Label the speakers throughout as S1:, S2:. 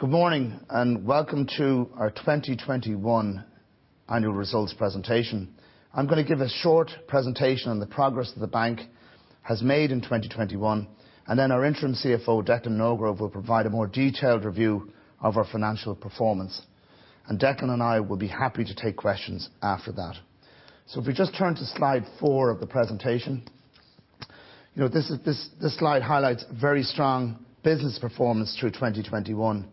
S1: Good morning, and welcome to our 2021 annual results presentation. I'm gonna give a short presentation on the progress that the bank has made in 2021, and then our Interim CFO, Declan Norgrove, will provide a more detailed review of our financial performance. Declan and I will be happy to take questions after that. If we just turn to Slide four of the presentation. His slide highlights very strong business performance through 2021.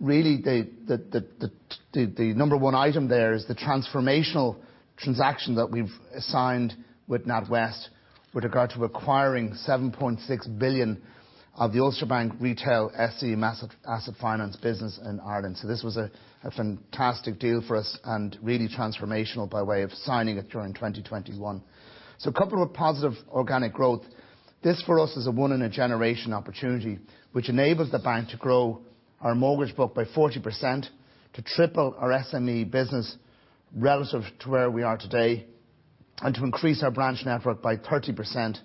S1: Really, the number one item there is the transformational transaction that we've signed with NatWest with regard to acquiring 7.6 billion of the Ulster Bank retail, SME and Asset Finance business in Ireland. This was a fantastic deal for us and really transformational by way of signing it during 2021. Coupled with positive organic growth, this for us is a one in a generation opportunity, which enables the bank to grow our mortgage book by 40%, to triple our SME business relative to where we are today, and to increase our branch network by 30%,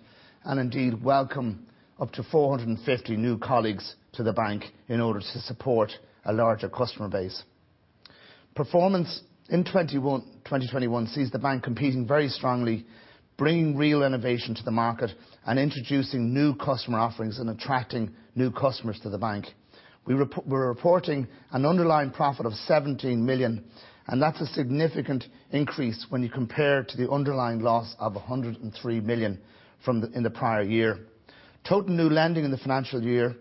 S1: and indeed welcome up to 450 new colleagues to the bank in order to support a larger customer base. Performance in 2021 sees the bank competing very strongly, bringing real innovation to the market, and introducing new customer offerings, and attracting new customers to the bank. We're reporting an underlying profit of 17 million, and that's a significant increase when you compare to the underlying loss of 103 million from the prior year. Total new lending in the financial year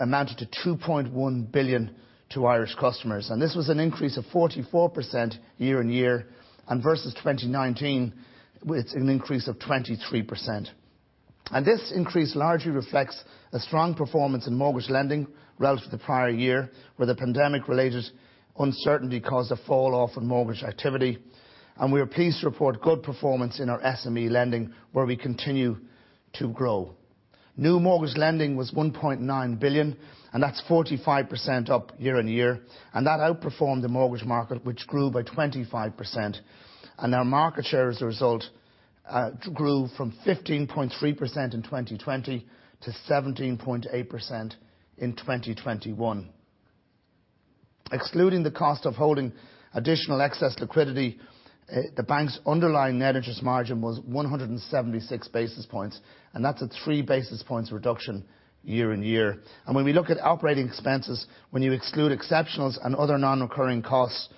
S1: amounted to 2.1 billion to Irish customers, and this was an increase of 44% year-on-year, and versus 2019, with an increase of 23%. This increase largely reflects a strong performance in mortgage lending relative to the prior year, where the pandemic-related uncertainty caused a fall-off in mortgage activity. We are pleased to report good performance in our SME lending, where we continue to grow. New mortgage lending was 1.9 billion, and that's 45% up year-on-year. That outperformed the mortgage market, which grew by 25%. Our market share as a result grew from 15.3% in 2020 to 17.8% in 2021. Excluding the cost of holding additional excess liquidity, the bank's underlying net interest margin was 176 basis points, and that's a 3 basis points reduction year-on-year. When we look at operating expenses, when you exclude exceptionals and other non-recurring costs,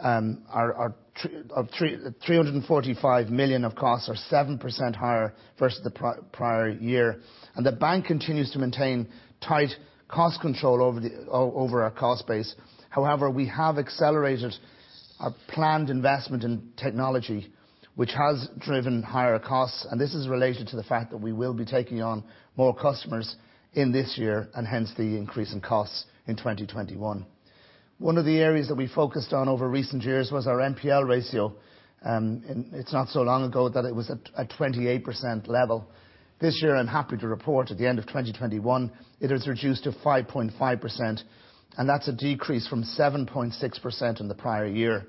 S1: our 345 million of costs are 7% higher versus the prior year. The bank continues to maintain tight cost control over our cost base. However, we have accelerated our planned investment in technology, which has driven higher costs, and this is related to the fact that we will be taking on more customers in this year, and hence, the increase in costs in 2021. One of the areas that we focused on over recent years was our NPL ratio. It's not so long ago that it was at 28% level. This year, I'm happy to report at the end of 2021, it is reduced to 5.5%, and that's a decrease from 7.6% in the prior year.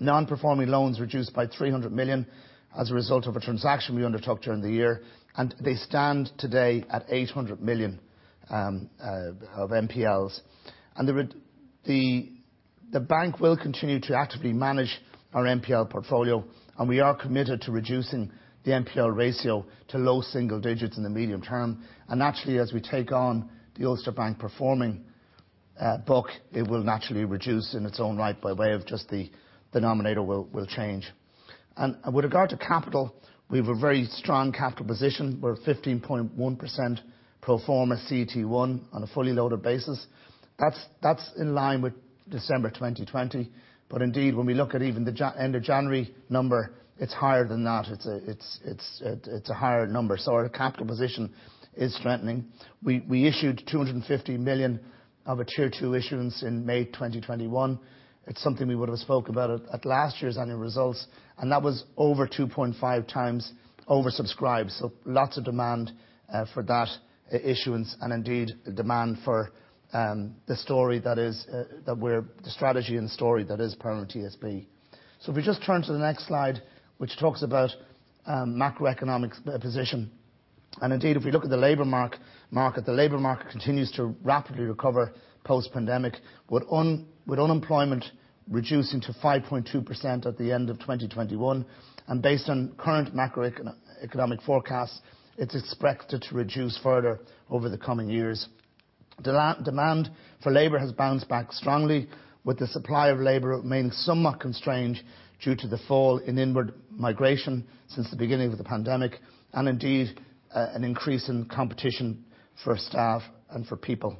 S1: Non-performing loans reduced by 300 million as a result of a transaction we undertook during the year, and they stand today at 800 million of NPLs. The bank will continue to actively manage our NPL portfolio, and we are committed to reducing the NPL ratio to low single digits in the medium term. Naturally, as we take on the Ulster Bank performing book, it will naturally reduce in its own right by way of just the denominator will change. With regard to capital, we've a very strong capital position. We're at 15.1% pro forma CET1 on a fully loaded basis. That's in line with December 2020. But indeed, when we look at even the end of January number, it's higher than that. It's a higher number. Our capital position is strengthening. We issued 250 million of a Tier 2 issuance in May 2021. It's something we would've spoke about at last year's annual results, and that was over 2.5 times oversubscribed. Lots of demand for that issuance and indeed the demand for the story that is that we're the strategy and story that is Permanent TSB. If we just turn to the next slide, which talks about macroeconomic position. If we look at the labor market, the labor market continues to rapidly recover post-pandemic with unemployment reducing to 5.2% at the end of 2021. Based on current economic forecasts, it's expected to reduce further over the coming years. Demand for labor has bounced back strongly with the supply of labor remaining somewhat constrained due to the fall in inward migration since the beginning of the pandemic, and indeed, an increase in competition for staff and for people.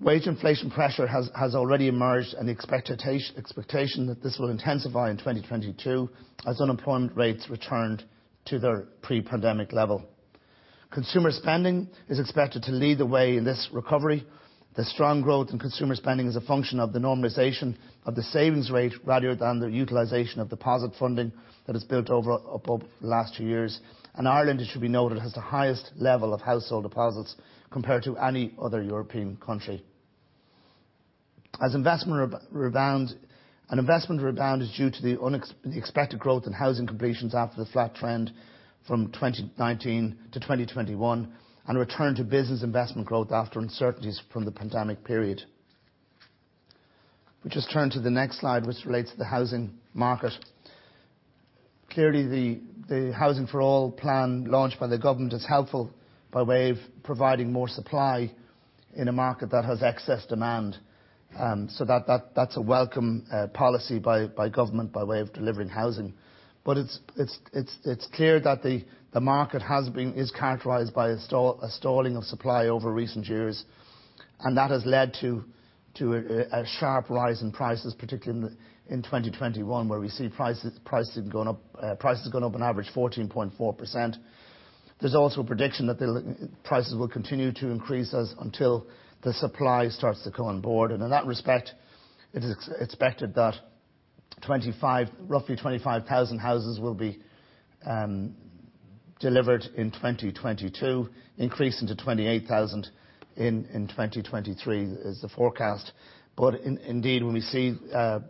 S1: Wage inflation pressure has already emerged, and the expectation that this will intensify in 2022 as unemployment rates returned to their pre-pandemic level. Consumer spending is expected to lead the way in this recovery. The strong growth in consumer spending is a function of the normalization of the savings rate rather than the utilization of deposit funding that is built up over the last two years. Ireland, it should be noted, has the highest level of household deposits compared to any other European country. As investment rebounds, an investment rebound is due to the expected growth in housing completions after the flat trend from 2019 to 2021, and a return to business investment growth after uncertainties from the pandemic period. We just turn to the next slide which relates to the housing market. Clearly, the Housing for All plan launched by the government is helpful by way of providing more supply in a market that has excess demand. That's a welcome policy by government by way of delivering housing. It's clear that the market is characterized by a stalling of supply over recent years, and that has led to a sharp rise in prices, particularly in 2021, where we see prices going up on average 14.4%. There's also a prediction that prices will continue to increase until the supply starts to come on board. In that respect, it is expected that roughly 25,000 houses will be delivered in 2022, increasing to 28,000 in 2023 is the forecast. Indeed, when we see around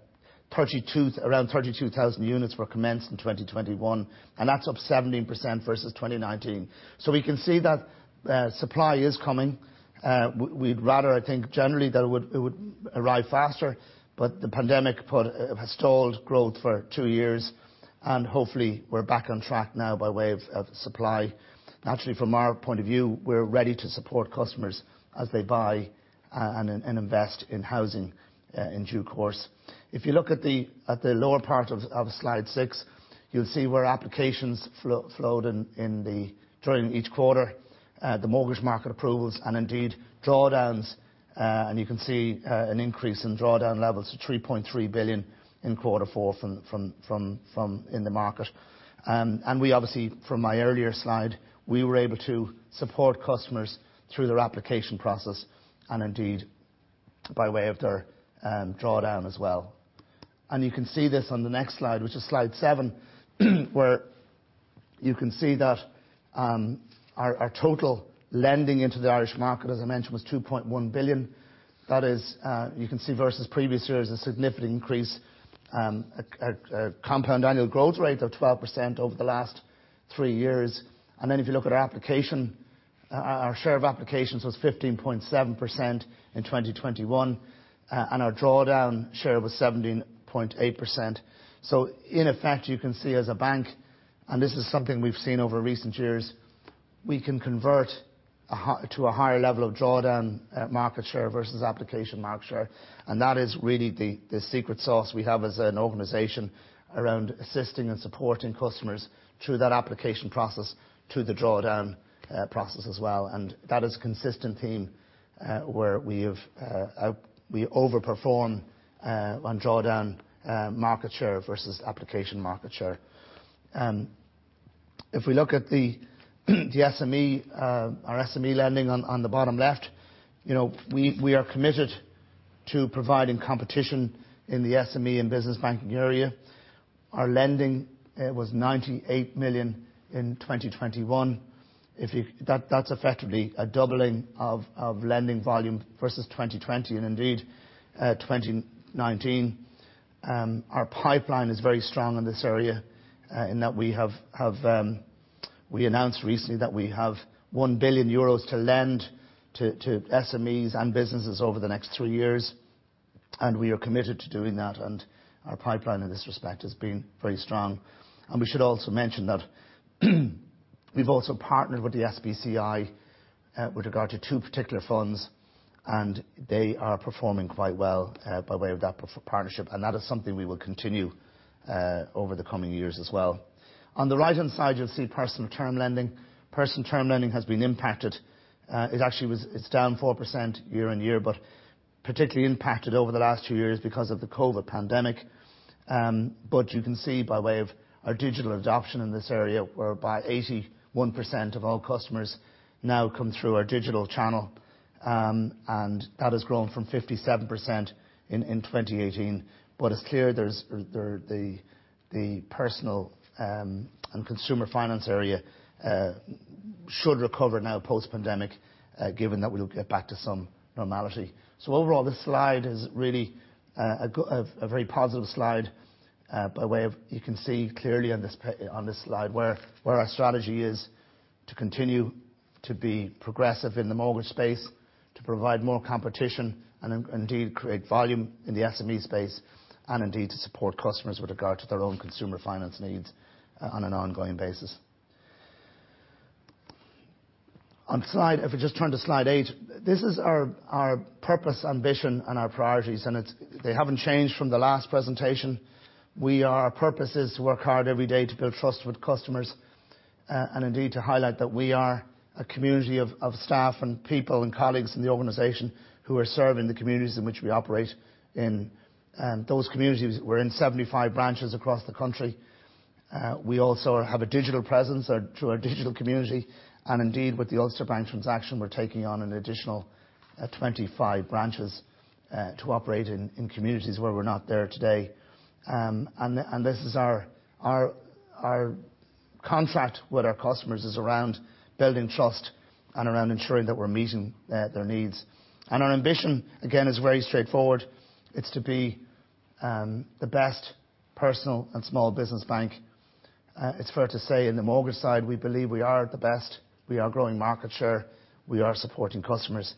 S1: 32,000 units were commenced in 2021, and that's up 17% versus 2019. We can see that supply is coming. We'd rather, I think, generally that it would arrive faster, but the pandemic has stalled growth for two years, and hopefully we're back on track now by way of supply. Naturally, from our point of view, we're ready to support customers as they buy and invest in housing in due course. If you look at the lower part of slide six, you'll see where applications flowed in during each quarter, the mortgage market approvals and indeed drawdowns. You can see an increase in drawdown levels to 3.3 billion in quarter four from in the market. We obviously, from my earlier slide, we were able to support customers through their application process and indeed by way of their drawdown as well. You can see this on the next slide, which is slide 7, where you can see that our total lending into the Irish market, as I mentioned, was 2.1 billion. That is, you can see versus previous years, a significant increase, a compound annual growth rate of 12% over the last four years. Then if you look at our application, our share of applications was 15.7% in 2021, and our drawdown share was 17.8%. In effect, you can see as a bank, and this is something we've seen over recent years, we can convert to a higher level of drawdown market share versus application market share, and that is really the secret sauce we have as an organization around assisting and supporting customers through that application process, through the drawdown process as well. That is a consistent theme where we overperform on drawdown market share versus application market share. If we look at the SME, our SME lending on the bottom left we are committed to providing competition in the SME and business banking area. Our lending was 98 million in 2021. That is effectively a doubling of lending volume versus 2020 and indeed 2019. Our pipeline is very strong in this area, in that we announced recently that we have 1 billion euros to lend to SMEs and businesses over the next three years, and we are committed to doing that, and our pipeline in this respect has been very strong. We should also mention that we've also partnered with the SBCI with regard to two particular funds, and they are performing quite well by way of that partnership, and that is something we will continue over the coming years as well. On the right-hand side, you'll see personal term lending. Personal term lending has been impacted. It actually is down 4% year-on-year, but particularly impacted over the last 2 years because of the COVID pandemic. You can see by way of our digital adoption in this area, where about 81% of all customers now come through our digital channel, and that has grown from 57% in 2018. It's clear the personal and consumer finance area should recover now post-pandemic, given that we'll get back to some normality. Overall, this slide is really a very positive slide, by way of you can see clearly on this slide where our strategy is to continue to be progressive in the mortgage space, to provide more competition and indeed create volume in the SME space, and indeed to support customers with regard to their own consumer finance needs on an ongoing basis. On slide, if we just turn to slide eight, this is our purpose, ambition, and our priorities, and they haven't changed from the last presentation. Our purpose is to work hard every day to build trust with customers and indeed to highlight that we are a community of staff and people and colleagues in the organization who are serving the communities in which we operate in. Those communities, we're in 75 branches across the country. We also have a digital presence through our digital community. Indeed, with the Ulster Bank transaction, we're taking on an additional 25 branches to operate in communities where we're not there today. This is our contract with our customers around building trust and around ensuring that we're meeting their needs. Our ambition, again, is very straightforward. It's to be the best personal and small business bank. It's fair to say in the mortgage side, we believe we are the best. We are growing market share. We are supporting customers.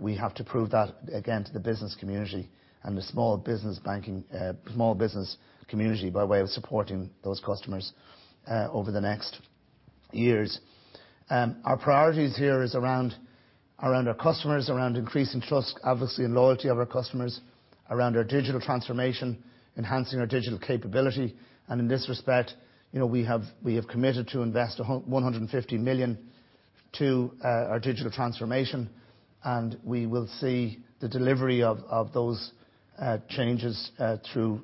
S1: We have to prove that, again, to the business community and the small business banking, small business community by way of supporting those customers, over the next years. Our priorities here is around our customers, around increasing trust, advocacy, and loyalty of our customers, around our digital transformation, enhancing our digital capability. In this respect we have committed to invest 150 million in our digital transformation, and we will see the delivery of those changes through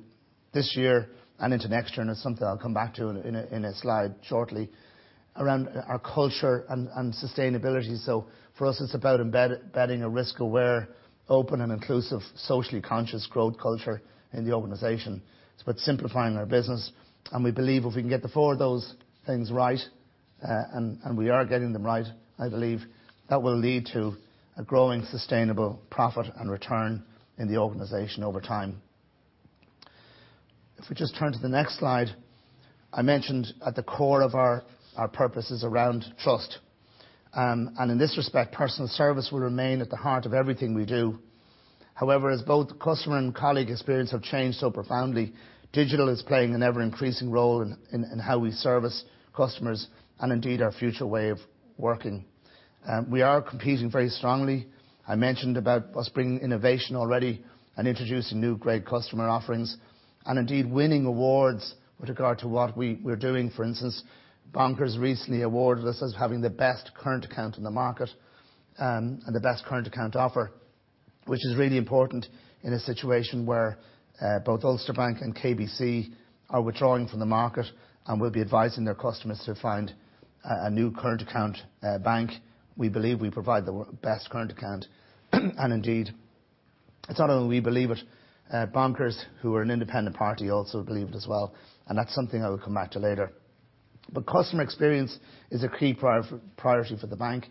S1: this year and into next year, and it's something I'll come back to in a slide shortly. Around our culture and sustainability. For us, it's about embedding a risk-aware, open and inclusive, socially conscious growth culture in the organization. It's about simplifying our business. We believe if we can get the four of those things right, and we are getting them right, I believe, that will lead to a growing sustainable profit and return in the organization over time. If we just turn to the next slide. I mentioned at the core of our purpose is around trust. In this respect, personal service will remain at the heart of everything we do. However, as both customer and colleague experience have changed so profoundly, digital is playing an ever-increasing role in how we service customers and indeed our future way of working. We are competing very strongly. I mentioned about us bringing innovation already and introducing new great customer offerings, and indeed winning awards with regard to what we're doing. For instance, Bonkers.ie recently awarded us as having the best current account in the market, and the best current account offer, which is really important in a situation where both Ulster Bank and KBC are withdrawing from the market and will be advising their customers to find a new current account bank. We believe we provide the best current account. Indeed, it's not only we believe it, Bonkers.ie, who are an independent party, also believe it as well, and that's something I will come back to later. Customer experience is a key priority for the bank.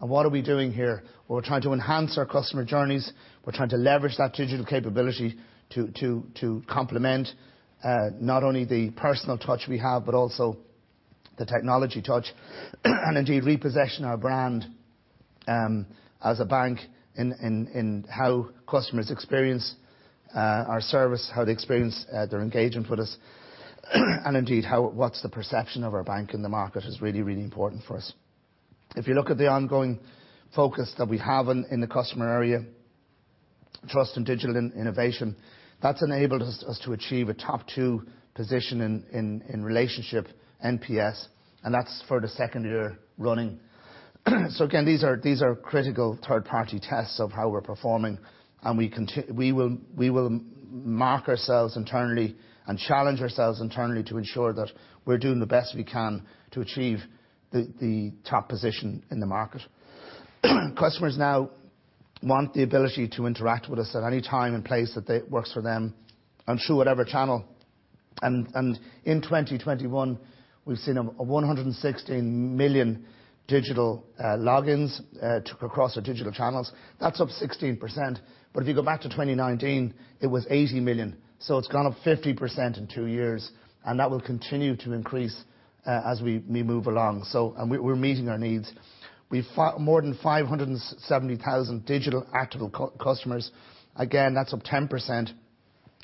S1: What are we doing here? We're trying to enhance our customer journeys. We're trying to leverage that digital capability to complement not only the personal touch we have, but also the technology touch. Indeed, reposition our brand as a bank in how customers experience our service, how they experience their engagement with us, and indeed, what's the perception of our bank in the market is really, really important for us. If you look at the ongoing focus that we have in the customer area, trust and digital innovation, that's enabled us to achieve a top two position in relationship NPS, and that's for the second year running. These are critical third-party tests of how we're performing, and we will mark ourselves internally and challenge ourselves internally to ensure that we're doing the best we can to achieve the top position in the market. Customers now want the ability to interact with us at any time and place that works for them and through whatever channel. In 2021, we've seen 116 million digital logins across the digital channels. That's up 16%. If you go back to 2019, it was 80 million. It's gone up 50% in two years, and that will continue to increase as we move along. We're meeting our needs. We've more than 570,000 digital active customers. Again, that's up 10%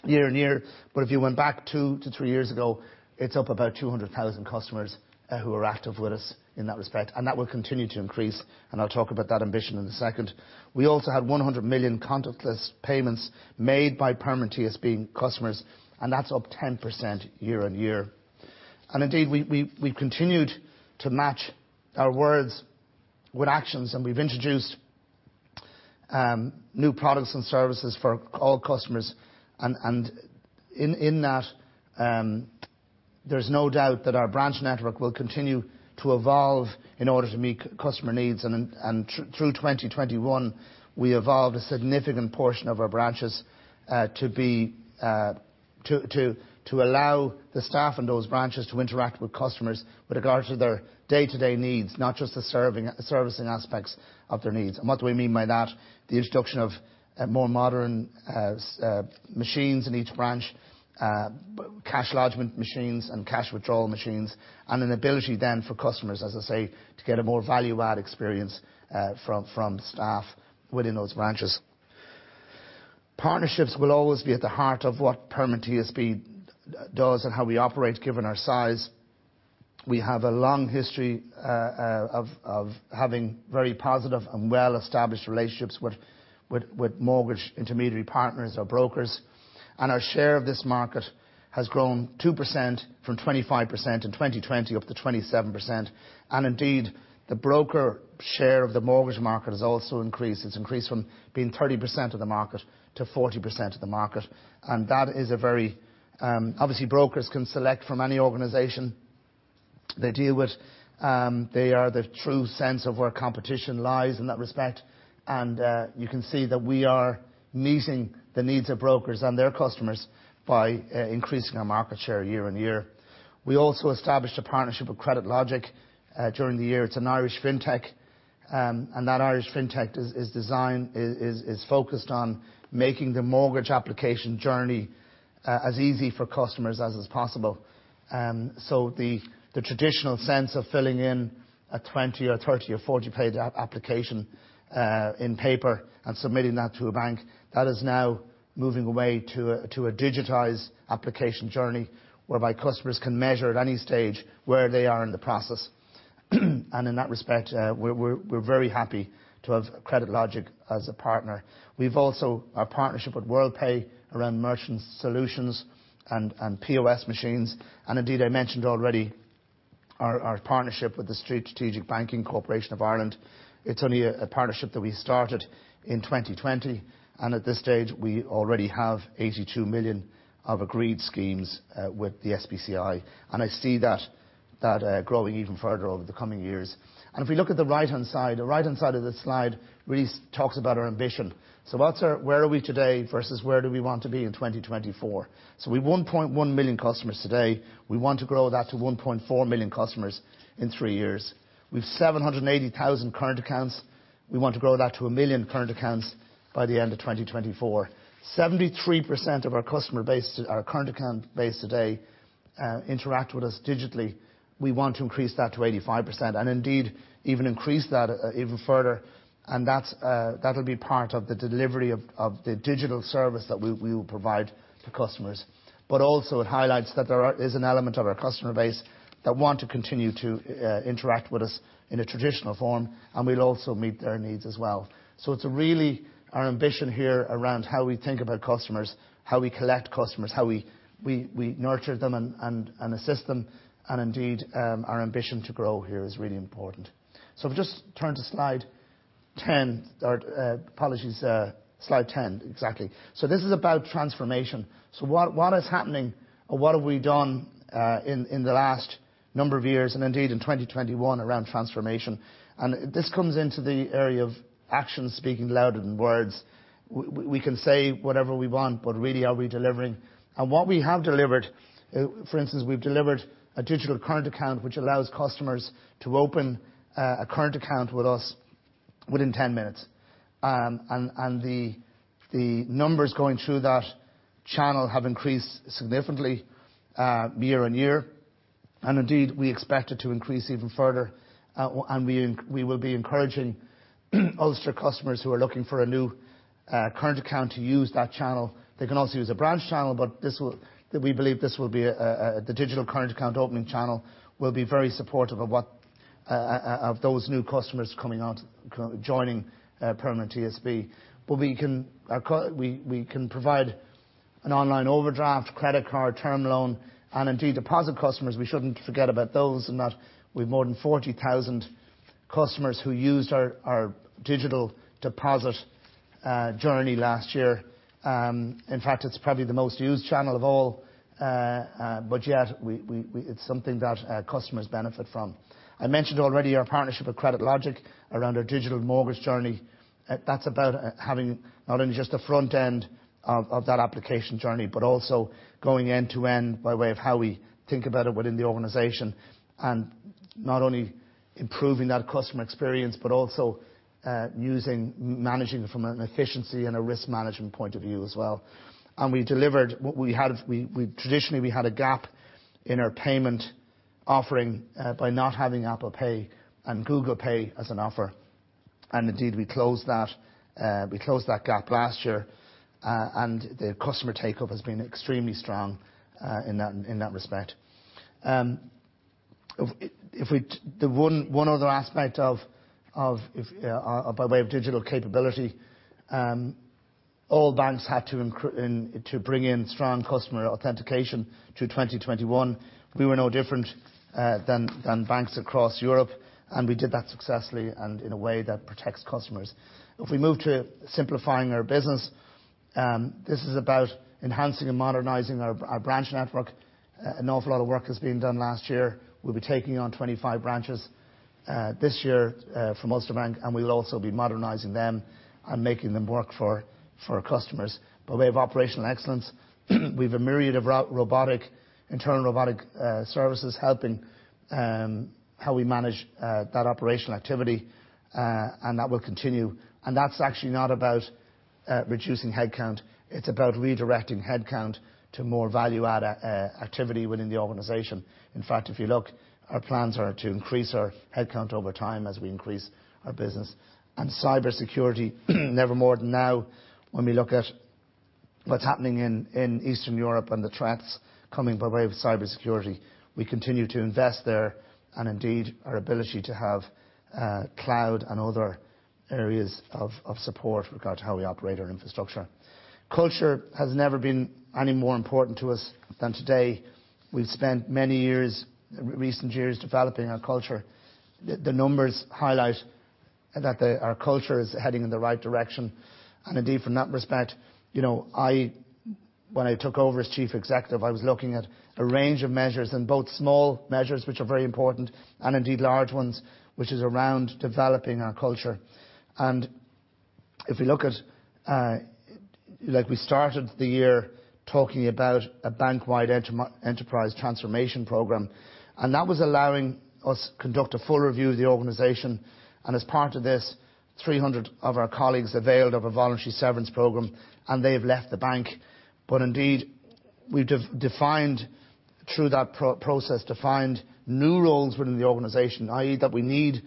S1: year-on-year. But if you went back two to three years ago, it's up about 200,000 customers who are active with us in that respect, and that will continue to increase, and I'll talk about that ambition in a second. We also have 100 million contactless payments made by Permanent TSB customers, and that's up 10% year-on-year. Indeed, we've continued to match our words with actions, and we've introduced new products and services for all customers. In that, there's no doubt that our branch network will continue to evolve in order to meet customer needs. Through 2021, we evolved a significant portion of our branches to allow the staff in those branches to interact with customers with regard to their day-to-day needs, not just the servicing aspects of their needs. What do we mean by that? The introduction of more modern machines in each branch, cash lodgment machines and cash withdrawal machines, and an ability then for customers, as I say, to get a more value-add experience from staff within those branches. Partnerships will always be at the heart of what Permanent TSB does and how we operate, given our size. We have a long history of having very positive and well-established relationships with mortgage intermediary partners or brokers. Our share of this market has grown 2% from 25% in 2020 up to 27%. Indeed, the broker share of the mortgage market has also increased. It's increased from being 30% of the market to 40% of the market. That is obviously, brokers can select from any organization they deal with, they are the true sense of where competition lies in that respect. You can see that we are meeting the needs of brokers and their customers by increasing our market share year-on-year. We also established a partnership with CreditLogic during the year. It's an Irish fintech. That Irish fintech is designed and focused on making the mortgage application journey as easy for customers as is possible. The traditional sense of filling in a 20- or 30- or 40-page application in paper and submitting that to a bank, that is now moving away to a digitized application journey, whereby customers can measure at any stage where they are in the process. In that respect, we're very happy to have CreditLogic as a partner. We've also a partnership with Worldpay around merchant solutions and POS machines. Indeed, I mentioned already our partnership with the Strategic Banking Corporation of Ireland. It's only a partnership that we started in 2020, and at this stage, we already have 82 million of agreed schemes with the SBCI. I see that growing even further over the coming years. If we look at the right-hand side of this slide really talks about our ambition. Where are we today versus where do we want to be in 2024? We've 1.1 million customers today. We want to grow that to 1.4 million customers in three years. We've 780,000 current accounts. We want to grow that to 1 million current accounts by the end of 2024. 73% of our customer base our current account base today interact with us digitally. We want to increase that to 85%, and indeed even increase that even further, and that'll be part of the delivery of the digital service that we will provide to customers. also it highlights that there is an element of our customer base that want to continue to interact with us in a traditional form, and we'll also meet their needs as well. It's really our ambition here around how we think about customers, how we collect customers, how we nurture them and assist them, and indeed, our ambition to grow here is really important. If we just turn to slide 10, or apologies, slide 10, exactly. This is about transformation. What is happening or what have we done, in the last number of years and indeed in 2021 around transformation? This comes into the area of actions speaking louder than words. We can say whatever we want, but really are we delivering? What we have delivered, for instance, we've delivered a digital current account which allows customers to open a current account with us within 10 minutes. The numbers going through that channel have increased significantly year-on-year. Indeed, we expect it to increase even further, and we will be encouraging Ulster customers who are looking for a new current account to use that channel. They can also use a branch channel, but we believe the digital current account opening channel will be very supportive of those new customers coming over and joining Permanent TSB. We can provide an online overdraft, credit card, term loan, and indeed deposit customers. We shouldn't forget about those in that we've more than 40,000 customers who used our digital deposit journey last year. In fact, it's probably the most used channel of all, but yet it's something that customers benefit from. I mentioned already our partnership with CreditLogic around our digital mortgage journey. That's about having not only just the front end of that application journey but also going end to end by way of how we think about it within the organization and not only improving that customer experience but also using managing from an efficiency and a risk management point of view as well. We delivered. We traditionally had a gap in our payment offering by not having Apple Pay and Google Pay as an offer. Indeed, we closed that gap last year. The customer take-up has been extremely strong in that respect. The one other aspect, by way of digital capability, all banks had to bring in strong customer authentication through 2021. We were no different than banks across Europe, and we did that successfully and in a way that protects customers. If we move to simplifying our business, this is about enhancing and modernizing our branch network. An awful lot of work has been done last year. We'll be taking on 25 branches this year from Ulster Bank, and we'll also be modernizing them and making them work for our customers. By way of operational excellence, we've a myriad of robotic, internal robotic services helping how we manage that operational activity, and that will continue. That's actually not about reducing head count. It's about redirecting head count to more value-added activity within the organization. In fact, if you look, our plans are to increase our head count over time as we increase our business. Cybersecurity, never more than now when we look at what's happening in Eastern Europe and the threats coming by way of cybersecurity. We continue to invest there and indeed our ability to have cloud and other areas of support with regard to how we operate our infrastructure. Culture has never been any more important to us than today. We've spent many years, recent years, developing our culture. The numbers highlight that our culture is heading in the right direction. Indeed, from that respect, when I took over as Chief Executive, I was looking at a range of measures and both small measures, which are very important, and indeed large ones, which is around developing our culture. If you look at, we started the year talking about a bank-wide Enterprise Transformation Program, and that was allowing us conduct a full review of the organization. As part of this, 300 of our colleagues availed of a voluntary severance program, and they've left the bank. Indeed, we defined, through that process, defined new roles within the organization. I.e., that we need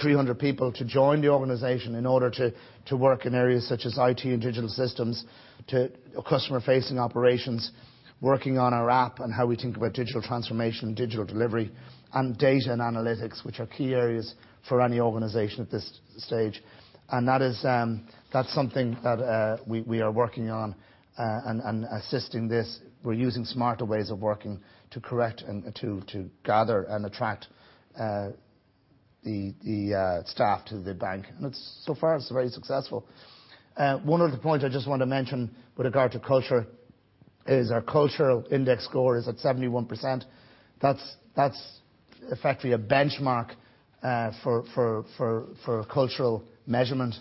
S1: 300 people to join the organization in order to work in areas such as IT and digital systems, to customer-facing operations, working on our app and how we think about digital transformation, digital delivery, and data and analytics, which are key areas for any organization at this stage. That is something that we are working on and assisting this. We're using smarter ways of working to recruit and to gather and attract the staff to the bank. It's so far very successful. One other point I just want to mention with regard to culture is our cultural index score is at 71%. That's effectively a benchmark for cultural measurement.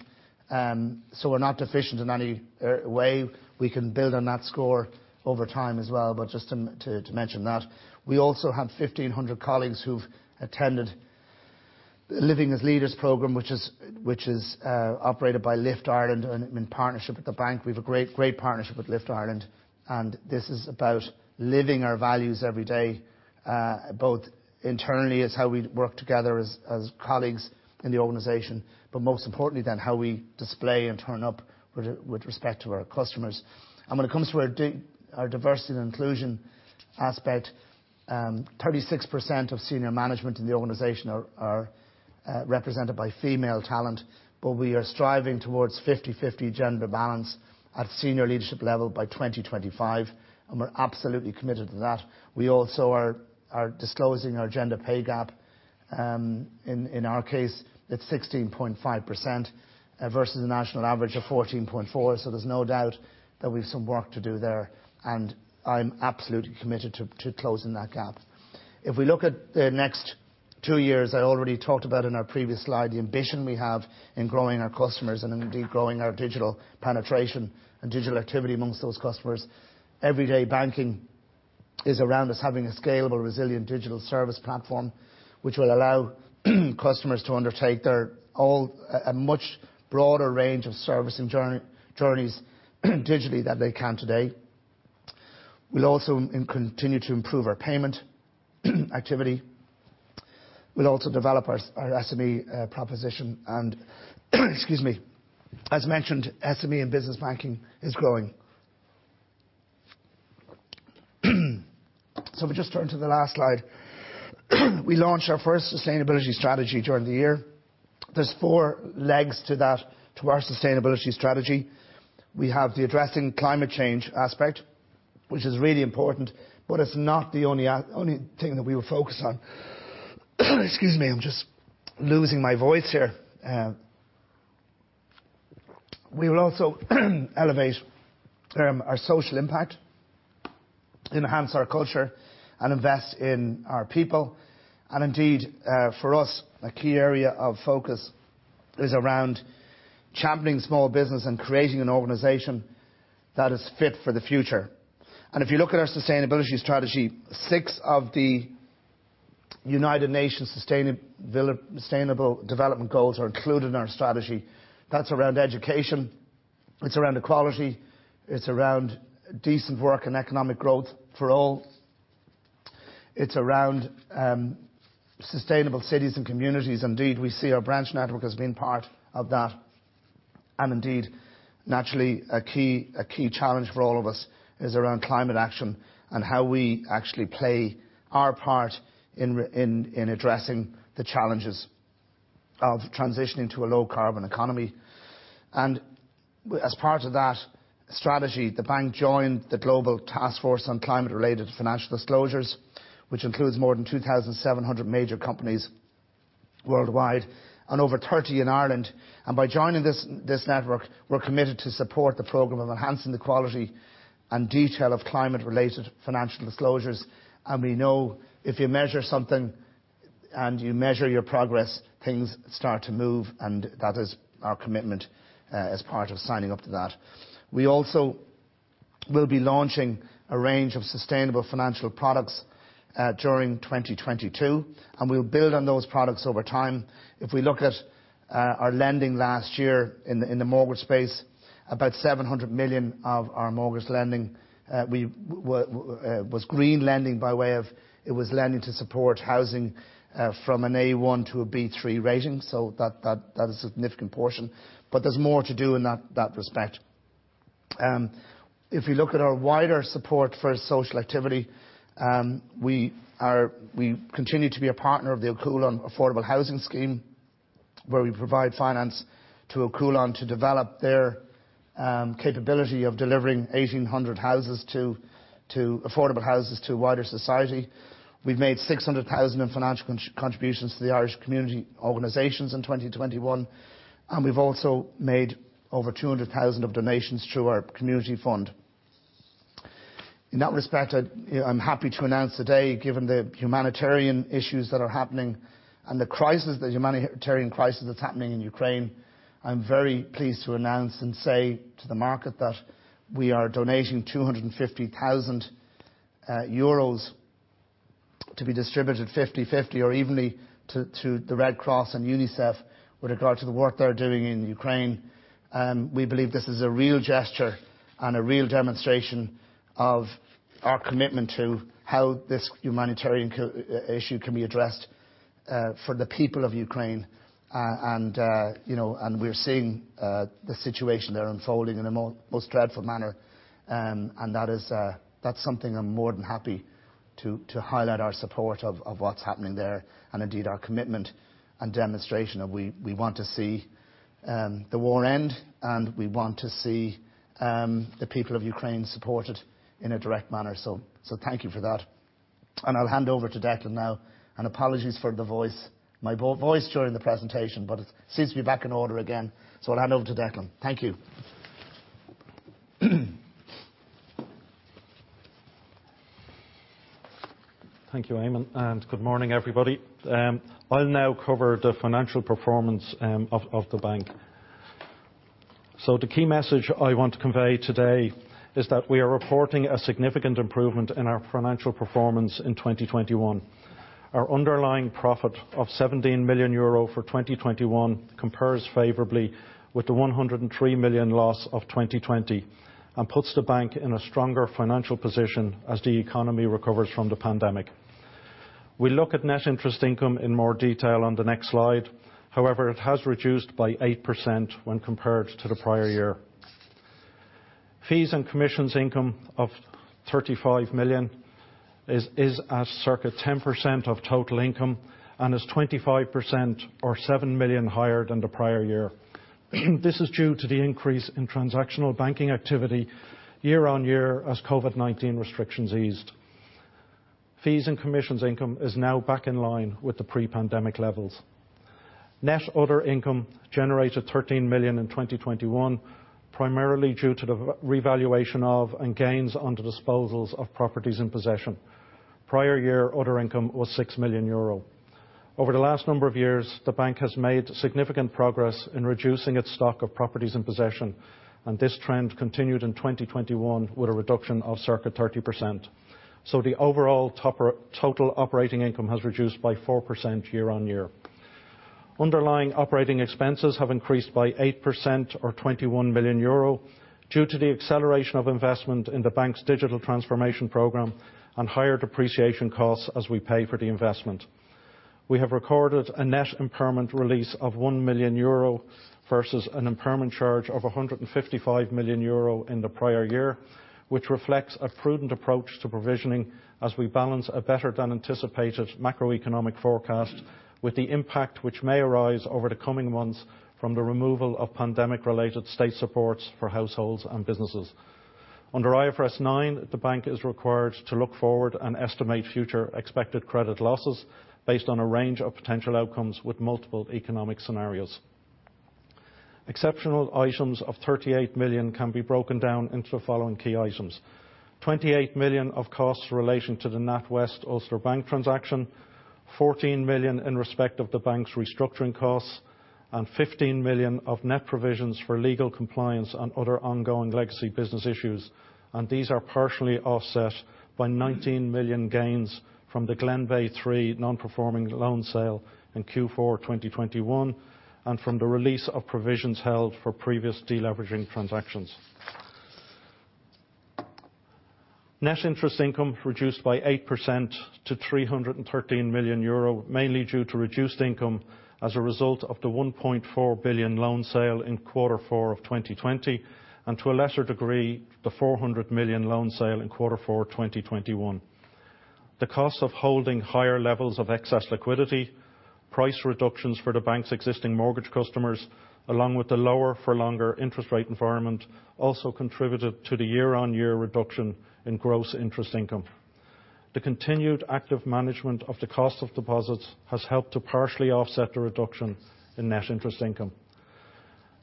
S1: We're not deficient in any way. We can build on that score over time as well, but just to mention that. We also have 1,500 colleagues who've attended Living as Leaders program, which is operated by LIFT Ireland and in partnership with the bank. We've a great partnership with LIFT Ireland, and this is about living our values every day, both internally as how we work together as colleagues in the organization, but most importantly then how we display and turn up with respect to our customers. When it comes to our diversity and inclusion aspect, 36% of senior management in the organization are represented by female talent, but we are striving towards 50-50 gender balance at senior leadership level by 2025, and we're absolutely committed to that. We also are disclosing our gender pay gap. In our case, it's 16.5% versus the national average of 14.4%, so there's no doubt that we've some work to do there, and I'm absolutely committed to closing that gap. If we look at the next two years, I already talked about in our previous slide the ambition we have in growing our customers and indeed growing our digital penetration and digital activity among those customers. Everyday banking is around us having a scalable, resilient digital service platform, which will allow customers to undertake their a much broader range of servicing journeys digitally than they can today. We'll also continue to improve our payment activity. We'll also develop our SME proposition and, excuse me, as mentioned, SME and business banking is growing. If we just turn to the last slide. We launched our first sustainability strategy during the year. There's 4 legs to that, to our sustainability strategy. We have the addressing climate change aspect, which is really important, but it's not the only only thing that we will focus on. Excuse me, I'm just losing my voice here. We will also elevate our social impact, enhance our culture, and invest in our people. For us, a key area of focus is around championing small business and creating an organization that is fit for the future. If you look at our sustainability strategy, 6 of the United Nations Sustainable Development Goals are included in our strategy. That's around education, it's around equality, it's around decent work and economic growth for all. It's around sustainable cities and communities. Indeed, we see our branch network as being part of that. Indeed, naturally, a key challenge for all of us is around climate action and how we actually play our part in addressing the challenges of transitioning to a low-carbon economy. As part of that strategy, the bank joined the Task Force on Climate-related Financial Disclosures, which includes more than 2,700 major companies worldwide and over 30 in Ireland. By joining this network, we're committed to support the program of enhancing the quality and detail of climate-related financial disclosures. We know if you measure something and you measure your progress, things start to move, and that is our commitment as part of signing up to that. We also will be launching a range of sustainable financial products during 2022, and we'll build on those products over time. If we look at our lending last year in the mortgage space, about 700 million of our mortgage lending was green lending by way of, it was lending to support housing from an A1 to a B3 rating, so that's a significant portion. There's more to do in that respect. If you look at our wider support for social activity, we continue to be a partner of the Clúid affordable housing scheme, where we provide finance to Clúid to develop capability of delivering 1,800 affordable houses to wider society. We've made 600,000 in financial contributions to the Irish community organizations in 2021, and we've also made over 200,000 of donations through our community fund. In that respect I'm happy to announce today, given the humanitarian issues that are happening and the crisis, the humanitarian crisis that's happening in Ukraine, I'm very pleased to announce and say to the market that we are donating 250,000 euros to be distributed 50/50 or evenly to the Red Cross and UNICEF with regard to the work they're doing in Ukraine. We believe this is a real gesture and a real demonstration of our commitment to how this humanitarian issue can be addressed for the people of Ukraine. We're seeing the situation there unfolding in a most dreadful manner. That is something I'm more than happy to highlight our support of what's happening there, and indeed our commitment and demonstration of we want to see the war end, and we want to see the people of Ukraine supported in a direct manner. Thank you for that. I'll hand over to Declan now, and apologies for the voice, my voice during the presentation, but it seems to be back in order again. I'll hand over to Declan. Thank you.
S2: Thank you, Eamon, and good morning, everybody. I'll now cover the financial performance of the bank. The key message I want to convey today is that we are reporting a significant improvement in our financial performance in 2021. Our underlying profit of 17 million euro for 2021 compares favorably with the 103 million loss of 2020 and puts the bank in a stronger financial position as the economy recovers from the pandemic. We'll look at net interest income in more detail on the next slide. However, it has reduced by 8% when compared to the prior year. Fees and commissions income of 35 million is at circa 10% of total income and is 25% or 7 million higher than the prior year. This is due to the increase in transactional banking activity year-on-year as COVID-19 restrictions eased. Fees and commissions income is now back in line with the pre-pandemic levels. Net other income generated 13 million in 2021, primarily due to the revaluation of and gains on the disposals of properties in possession. Prior year, other income was 6 million euro. Over the last number of years, the bank has made significant progress in reducing its stock of properties in possession, and this trend continued in 2021 with a reduction of circa 30%. The overall total operating income has reduced by 4% year-on-year. Underlying operating expenses have increased by 8% or 21 million euro due to the acceleration of investment in the bank's digital transformation program and higher depreciation costs as we pay for the investment. We have recorded a net impairment release of 1 million euro versus an impairment charge of 155 million euro in the prior year, which reflects a prudent approach to provisioning as we balance a better than anticipated macroeconomic forecast with the impact which may arise over the coming months from the removal of pandemic-related state supports for households and businesses. Under IFRS 9, the bank is required to look forward and estimate future expected credit losses based on a range of potential outcomes with multiple economic scenarios. Exceptional items of 38 million can be broken down into the following key items. 28 million of costs relating to the NatWest Ulster Bank transaction, 14 million in respect of the bank's restructuring costs, and 15 million of net provisions for legal compliance and other ongoing legacy business issues, and these are partially offset by 19 million gains from the Glenbeigh III non-performing loan sale in Q4 2021 and from the release of provisions held for previous deleveraging transactions. Net interest income reduced by 8% to 313 million euro, mainly due to reduced income as a result of the 1.4 billion loan sale in quarter four of 2020 and, to a lesser degree, the 400 million loan sale in quarter four 2021. The cost of holding higher levels of excess liquidity, price reductions for the bank's existing mortgage customers, along with the lower-for-longer interest rate environment, also contributed to the year-on-year reduction in gross interest income. The continued active management of the cost of deposits has helped to partially offset the reduction in net interest income.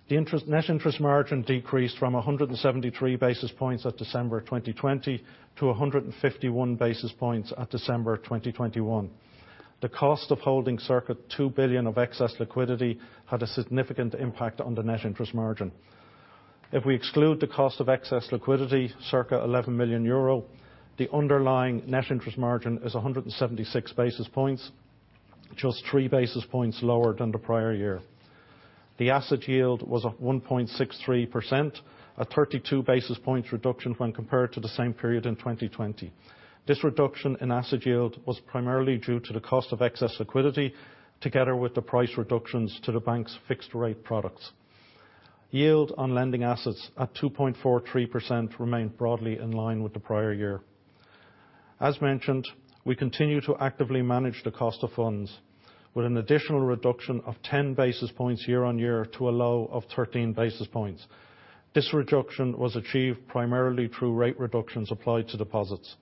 S2: The net interest margin decreased from 173 basis points at December 2020 to 151 basis points at December 2021. The cost of holding circa €2 billion of excess liquidity had a significant impact on the net interest margin. If we exclude the cost of excess liquidity, circa €11 million, the underlying net interest margin is 176 basis points, just 3 basis points lower than the prior year. The asset yield was at 1.63%, a 32 basis points reduction when compared to the same period in 2020. This reduction in asset yield was primarily due to the cost of excess liquidity together with the price reductions to the bank's fixed rate products. Yield on lending assets at 2.43% remained broadly in line with the prior year. As mentioned, we continue to actively manage the cost of funds with an additional reduction of 10 basis points year on year to a low of 13 basis points. This reduction was achieved primarily through rate reductions applied to deposits.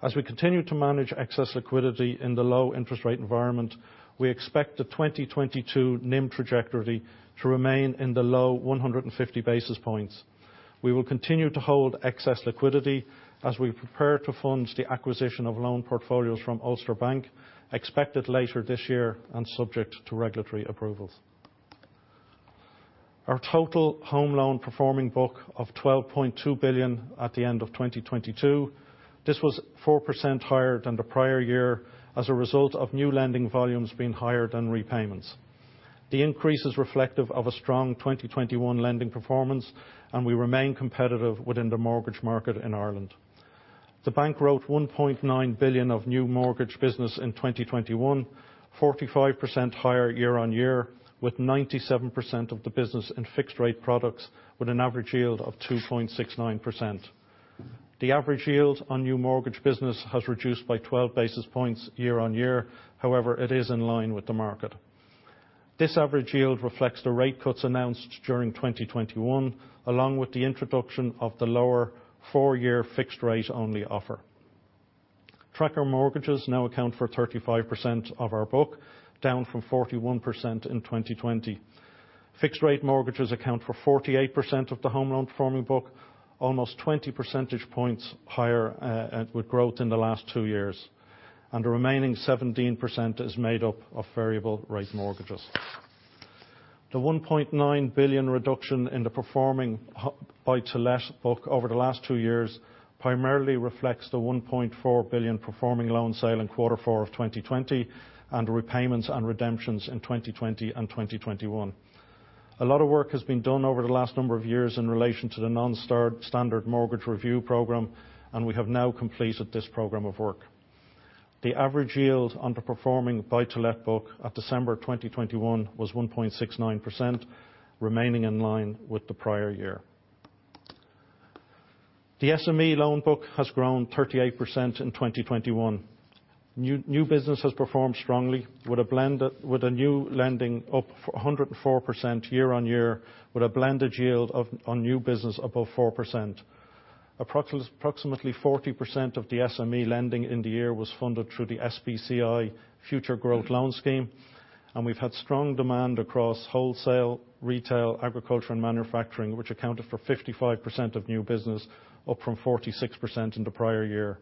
S2: As we continue to manage excess liquidity in the low interest rate environment, we expect the 2022 NIM trajectory to remain in the low 150 basis points. We will continue to hold excess liquidity as we prepare to fund the acquisition of loan portfolios from Ulster Bank, expected later this year and subject to regulatory approvals. Our total home loan performing book of 12.2 billion at the end of 2022. This was 4% higher than the prior year as a result of new lending volumes being higher than repayments. The increase is reflective of a strong 2021 lending performance, and we remain competitive within the mortgage market in Ireland. The bank wrote 1.9 billion of new mortgage business in 2021, 45% higher year-on-year, with 97% of the business in fixed-rate products with an average yield of 2.69%. The average yield on new mortgage business has reduced by 12 basis points year-on-year. However, it is in line with the market. This average yield reflects the rate cuts announced during 2021, along with the introduction of the lower four-year fixed rate only offer. Tracker mortgages now account for 35% of our book, down from 41% in 2020. Fixed rate mortgages account for 48% of the home loan performing book, almost 20 percentage points higher with growth in the last two years, and the remaining 17% is made up of variable rate mortgages. The 1.9 billion reduction in the performing buy-to-let book over the last two years primarily reflects the 1.4 billion performing loan sale in quarter four of 2020, and repayments and redemptions in 2020 and 2021. A lot of work has been done over the last number of years in relation to the non-standard mortgage review program, and we have now completed this program of work. The average yield on the performing buy-to-let book at December 2021 was 1.69%, remaining in line with the prior year. The SME loan book has grown 38% in 2021. New business has performed strongly with new lending up 104% year-on-year with a blended yield on new business above 4%. Approximately 40% of the SME lending in the year was funded through the SBCI Future Growth Loan Scheme, and we've had strong demand across wholesale, retail, agriculture, and manufacturing, which accounted for 55% of new business, up from 46% in the prior year.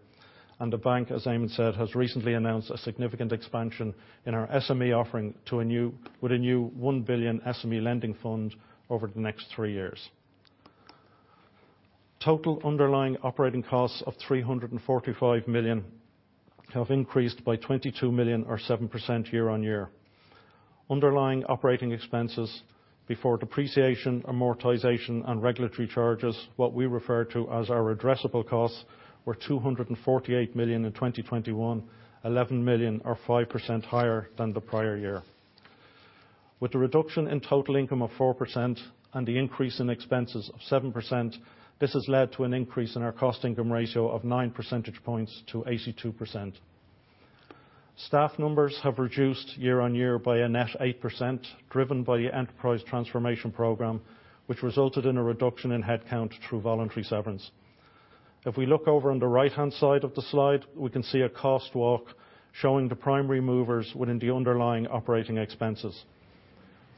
S2: The bank, as Eamon said, has recently announced a significant expansion in our SME offering with a new 1 billion SME lending fund over the next three years. Total underlying operating costs of 345 million have increased by 22 million or 7% year-on-year. Underlying operating expenses before depreciation, amortization, and regulatory charges, what we refer to as our addressable costs, were 248 million in 2021, 11 million or 5% higher than the prior year. With the reduction in total income of 4% and the increase in expenses of 7%, this has led to an increase in our cost-income ratio of 9 percentage points to 82%. Staff numbers have reduced year-over-year by a net 8%, driven by the Enterprise Transformation Program, which resulted in a reduction in headcount through voluntary severance. If we look over on the right-hand side of the slide, we can see a cost walk showing the primary movers within the underlying operating expenses.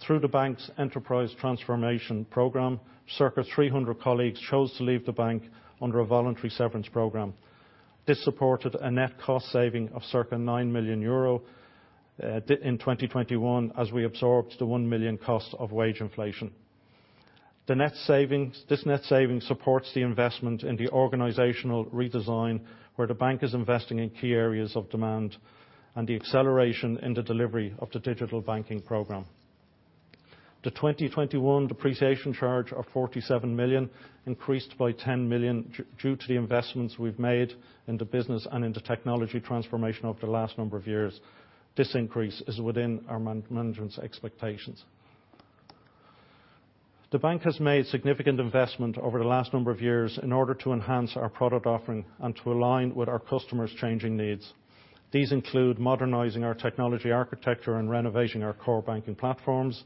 S2: Through the bank's Enterprise Transformation Program, circa 300 colleagues chose to leave the bank under a voluntary severance program. This supported a net cost saving of circa 9 million euro in 2021 as we absorbed the 1 million cost of wage inflation. The net savings, this net saving supports the investment in the organizational redesign where the bank is investing in key areas of demand and the acceleration in the delivery of the digital banking program. The 2021 depreciation charge of 47 million increased by 10 million due to the investments we've made in the business and in the technology transformation over the last number of years. This increase is within our management's expectations. The bank has made significant investment over the last number of years in order to enhance our product offering and to align with our customers' changing needs. These include modernizing our technology architecture and renovating our core banking platforms,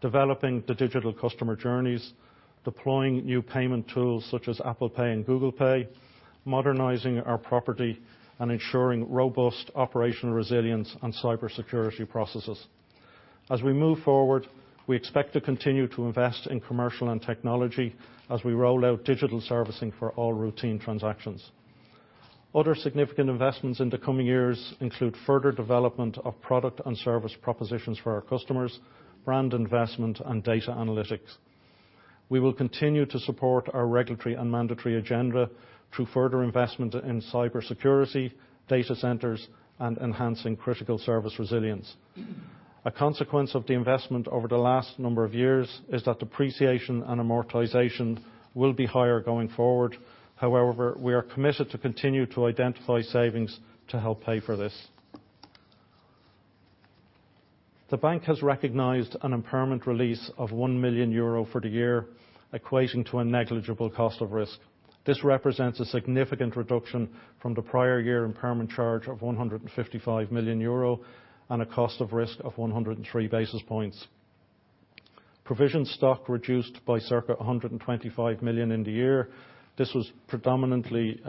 S2: developing the digital customer journeys, deploying new payment tools such as Apple Pay and Google Pay, modernizing our property, and ensuring robust operational resilience and cybersecurity processes. As we move forward, we expect to continue to invest in commercial and technology as we roll out digital servicing for all routine transactions. Other significant investments in the coming years include further development of product and service propositions for our customers, brand investment, and data analytics. We will continue to support our regulatory and mandatory agenda through further investment in cybersecurity, data centers, and enhancing critical service resilience. A consequence of the investment over the last number of years is that depreciation and amortization will be higher going forward. However, we are committed to continue to identify savings to help pay for this. The bank has recognized an impairment release of 1 million euro for the year, equating to a negligible cost of risk. This represents a significant reduction from the prior year impairment charge of 155 million euro, and a cost of risk of 103 basis points. Provision stock reduced by circa 125 million in the year. This was predominantly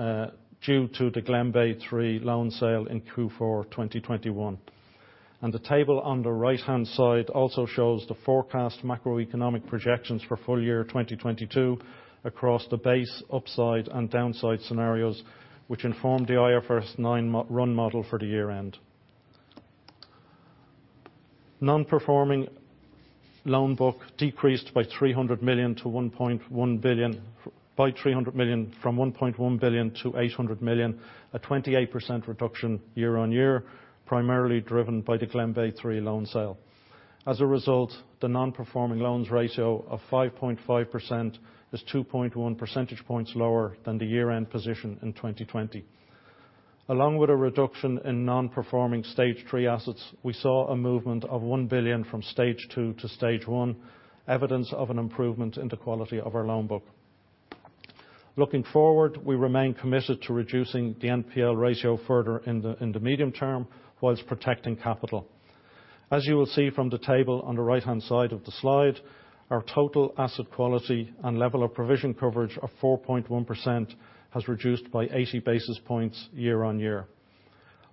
S2: due to the Glenbeigh III loan sale in Q4 2021. The table on the right-hand side also shows the forecast macroeconomic projections for full year 2022 across the base, upside, and downside scenarios, which inform the IFRS 9 model run for the year-end. Non-performing loan book decreased by 300 million from 1.1 billion to 800 million, a 28% reduction year-on-year, primarily driven by the Glenbeigh III loan sale. As a result, the non-performing loans ratio of 5.5% is 2.1 percentage points lower than the year-end position in 2020. Along with a reduction in non-performing Stage 3 assets, we saw a movement of 1 billion from Stage 2 to Stage 1, evidence of an improvement in the quality of our loan book. Looking forward, we remain committed to reducing the NPL ratio further in the medium term while protecting capital. As you will see from the table on the right-hand side of the slide, our total asset quality and level of provision coverage of 4.1% has reduced by 80 basis points year-on-year.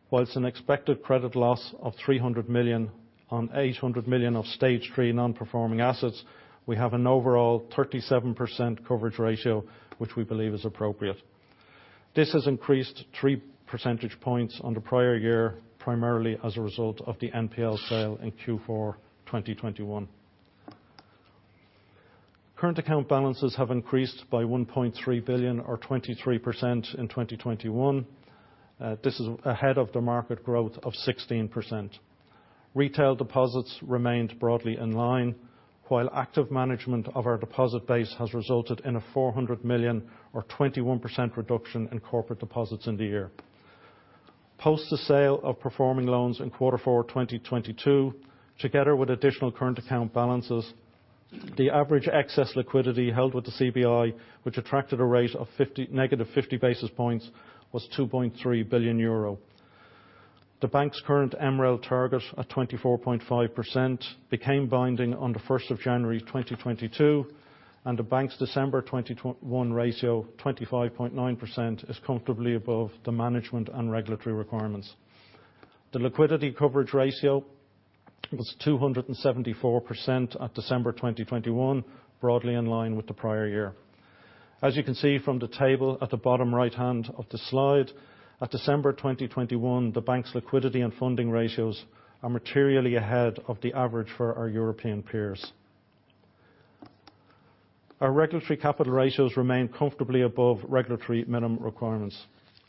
S2: While an expected credit loss of 300 million on 800 million of Stage 3 non-performing assets, we have an overall 37% coverage ratio, which we believe is appropriate. This has increased 3 percentage points on the prior year, primarily as a result of the NPL sale in Q4 2021. Current account balances have increased by 1.3 billion or 23% in 2021. This is ahead of the market growth of 16%. Retail deposits remained broadly in line, while active management of our deposit base has resulted in a 400 million or 21% reduction in corporate deposits in the year. Post the sale of performing loans in quarter 4 2022, together with additional current account balances, the average excess liquidity held with the CBI, which attracted a rate of negative 50 basis points, was 23 billion euro. The bank's current MREL target of 24.5% became binding on the 1st of January 2022, and the bank's December 2021 ratio, 25.9%, is comfortably above the management and regulatory requirements. The liquidity coverage ratio was 274% at December 2021, broadly in line with the prior year. As you can see from the table at the bottom right hand of the slide, at December 2021, the bank's liquidity and funding ratios are materially ahead of the average for our European peers. Our regulatory capital ratios remain comfortably above regulatory minimum requirements.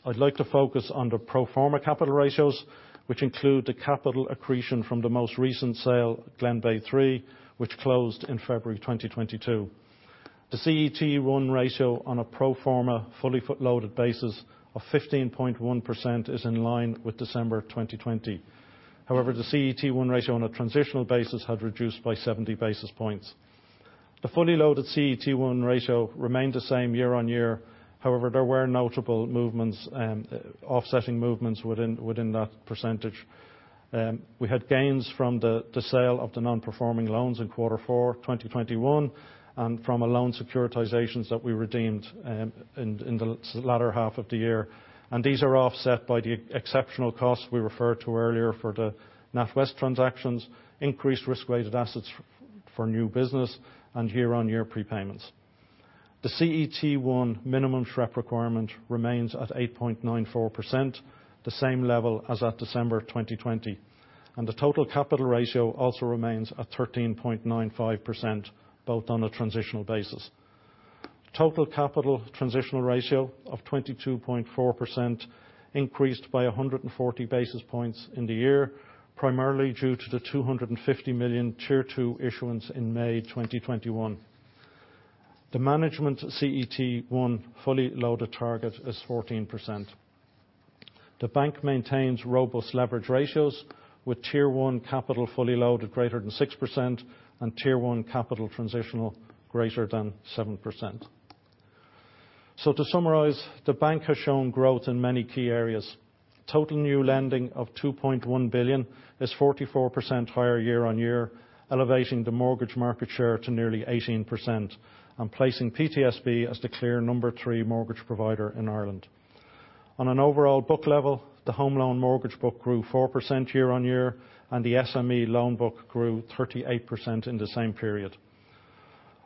S2: I'd like to focus on the pro forma capital ratios, which include the capital accretion from the most recent sale, Glenbeigh III, which closed in February 2022. The CET1 ratio on a pro forma fully loaded basis of 15.1% is in line with December 2020. However, the CET1 ratio on a transitional basis had reduced by 70 basis points. The fully loaded CET1 ratio remained the same year-on-year. However, there were notable movements, offsetting movements within that percentage. We had gains from the sale of the non-performing loans in quarter four 2021 and from a loan securitizations that we redeemed in the latter half of the year. These are offset by the exceptional costs we referred to earlier for the NatWest transactions, increased risk-weighted assets for new business, and year-on-year prepayments. The CET1 minimum SREP requirement remains at 8.94%, the same level as at December 2020. The total capital ratio also remains at 13.95%, both on a transitional basis. Total capital transitional ratio of 22.4% increased by 140 basis points in the year, primarily due to the 250 million Tier 2 issuance in May 2021. The management CET1 fully loaded target is 14%. The bank maintains robust leverage ratios with Tier 1 capital fully loaded greater than 6% and Tier 1 capital transitional greater than 7%. To summarize, the bank has shown growth in many key areas. Total new lending of 2.1 billion is 44% higher year-on-year, elevating the mortgage market share to nearly 18% and placing PTSB as the clear number 3 mortgage provider in Ireland. On an overall book level, the home loan mortgage book grew 4% year-on-year, and the SME loan book grew 38% in the same period.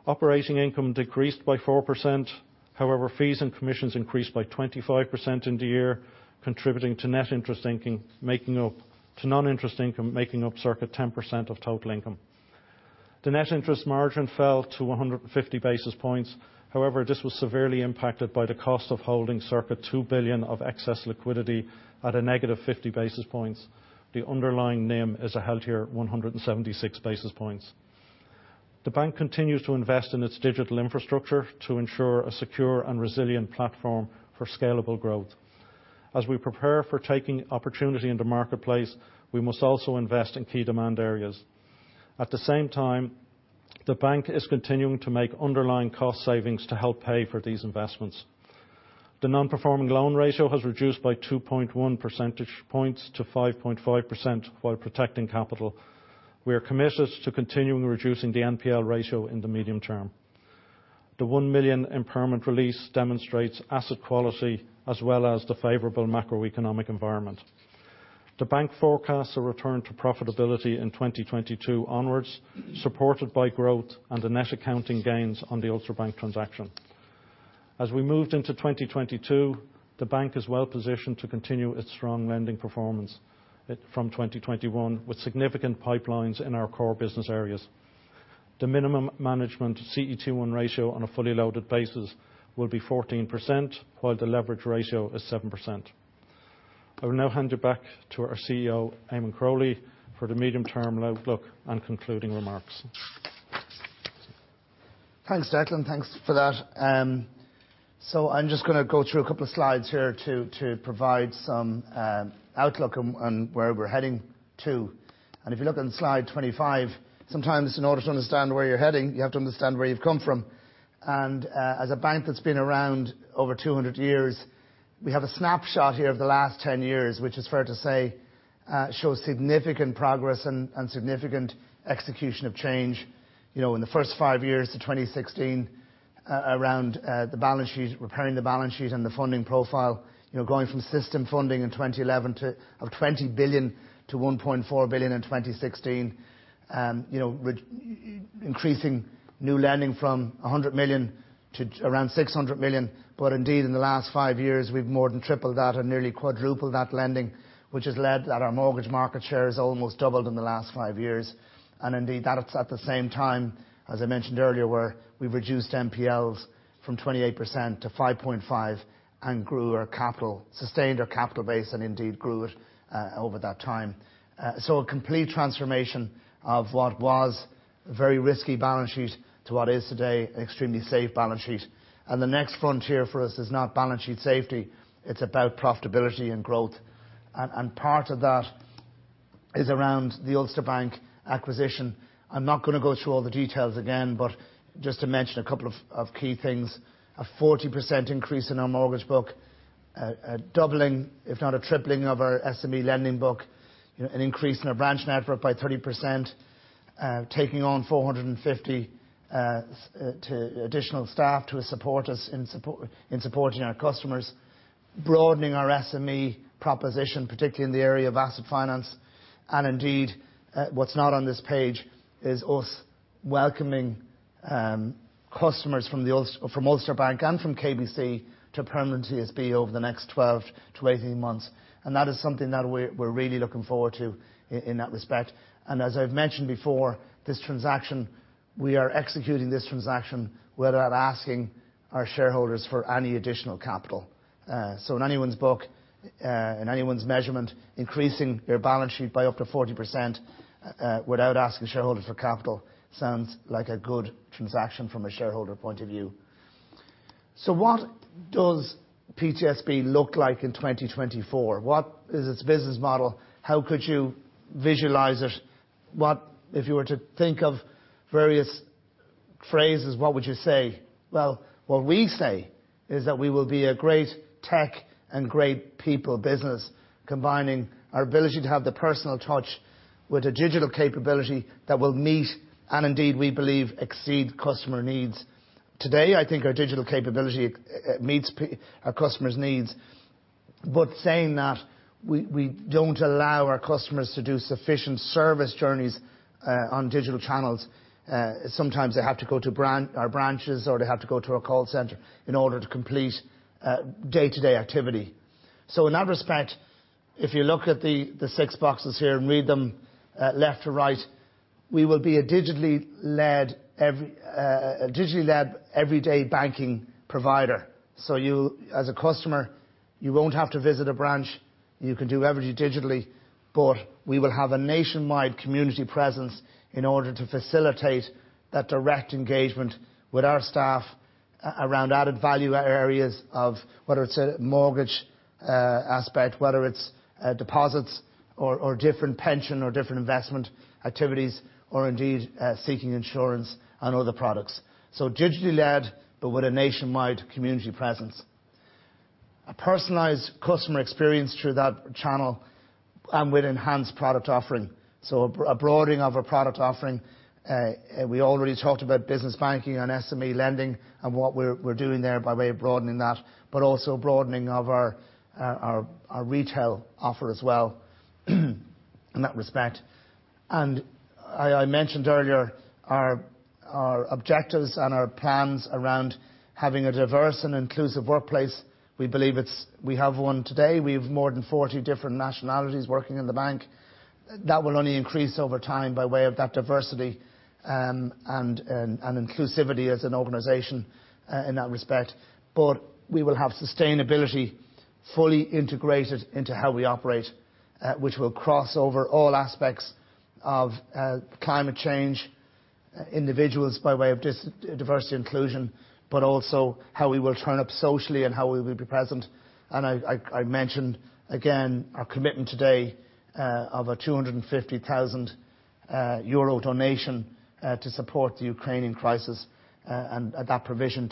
S2: Operating income decreased by 4%. However, fees and commissions increased by 25% in the year, contributing to non-interest income, making up circa 10% of total income. The net interest margin fell to 150 basis points. However, this was severely impacted by the cost of holding circa 2 billion of excess liquidity at a -50 basis points. The underlying NIM is a healthier 176 basis points. The bank continues to invest in its digital infrastructure to ensure a secure and resilient platform for scalable growth. As we prepare for taking opportunity in the marketplace, we must also invest in key demand areas. At the same time, the bank is continuing to make underlying cost savings to help pay for these investments. The non-performing loan ratio has reduced by 2.1 percentage points to 5.5% while protecting capital. We are committed to continuing reducing the NPL ratio in the medium term. The 1 million impairment release demonstrates asset quality as well as the favorable macroeconomic environment. The bank forecasts a return to profitability in 2022 onwards, supported by growth and the net accounting gains on the Ulster Bank transaction. As we moved into 2022, the bank is well-positioned to continue its strong lending performance from 2021, with significant pipelines in our core business areas. The minimum management CET1 ratio on a fully loaded basis will be 14%, while the leverage ratio is 7%. I will now hand you back to our CEO, Eamonn Crowley, for the medium-term outlook and concluding remarks.
S1: Thanks, Declan. Thanks for that. I'm just gonna go through a couple of slides here to provide some outlook on where we're heading to. If you look on slide 25, sometimes in order to understand where you're heading, you have to understand where you've come from. As a bank that's been around over 200 years, we have a snapshot here of the last 10 years, which is fair to say shows significant progress and significant execution of change. in the first five years to 2016, around the balance sheet, repairing the balance sheet and the funding profile going from system funding in 2011 to 20 billion to 1.4 billion in 2016. with increasing new lending from 100 million to around 600 million. Indeed, in the last five years, we've more than tripled that and nearly quadrupled that lending, which has led to our mortgage market share has almost doubled in the last five years. Indeed, that's at the same time, as I mentioned earlier, where we've reduced NPLs from 28% to 5.5%, and grew our capital, sustained our capital base and indeed grew it over that time. A complete transformation of what was a very risky balance sheet to what is today an extremely safe balance sheet. The next frontier for us is not balance sheet safety, it's about profitability and growth. Part of that is around the Ulster Bank acquisition. I'm not gonna go through all the details again, but just to mention a couple of key things. A 40% increase in our mortgage book, a doubling, if not a tripling, of our SME lending book, an increase in our branch network by 30%, taking on 450 additional staff to support us in supporting our customers, broadening our SME proposition, particularly in the area of asset finance. Indeed, what's not on this page is us welcoming customers from Ulster Bank and from KBC to Permanent TSB over the next 12-18 months. That is something that we're really looking forward to in that respect. As I've mentioned before, this transaction, we are executing this transaction without asking our shareholders for any additional capital. In anyone's book, in anyone's measurement, increasing your balance sheet by up to 40%, without asking shareholders for capital sounds like a good transaction from a shareholder point of view. What does PTSB look like in 2024? What is its business model? How could you visualize it? What if you were to think of various phrases, what would you say? Well, what we say is that we will be a great tech and great people business, combining our ability to have the personal touch with a digital capability that will meet, and indeed we believe, exceed customer needs. Today, I think our digital capability meets our customers' needs. Saying that, we don't allow our customers to do sufficient service journeys on digital channels. Sometimes they have to go to our branches, or they have to go to our call center in order to complete day-to-day activity. In that respect, if you look at the six boxes here and read them left to right, we will be a digitally led everyday banking provider. You, as a customer, won't have to visit a branch, you can do everything digitally, but we will have a nationwide community presence in order to facilitate that direct engagement with our staff around added value areas of whether it's a mortgage aspect, whether it's deposits or different pension or different investment activities, or indeed seeking insurance and other products. Digitally led, but with a nationwide community presence. A personalized customer experience through that channel and with enhanced product offering. A broadening of our product offering. We already talked about business banking and SME lending and what we're doing there by way of broadening that, but also broadening of our retail offer as well in that respect. I mentioned earlier our objectives and our plans around having a diverse and inclusive workplace. We believe we have one today. We have more than 40 different nationalities working in the bank. That will only increase over time by way of that diversity and inclusivity as an organization in that respect. We will have sustainability fully integrated into how we operate, which will cross over all aspects of climate change, individuals by way of diversity inclusion, but also how we will turn up socially and how we will be present. I mentioned again our commitment today of a 250,000 euro donation to support the Ukrainian crisis and that provision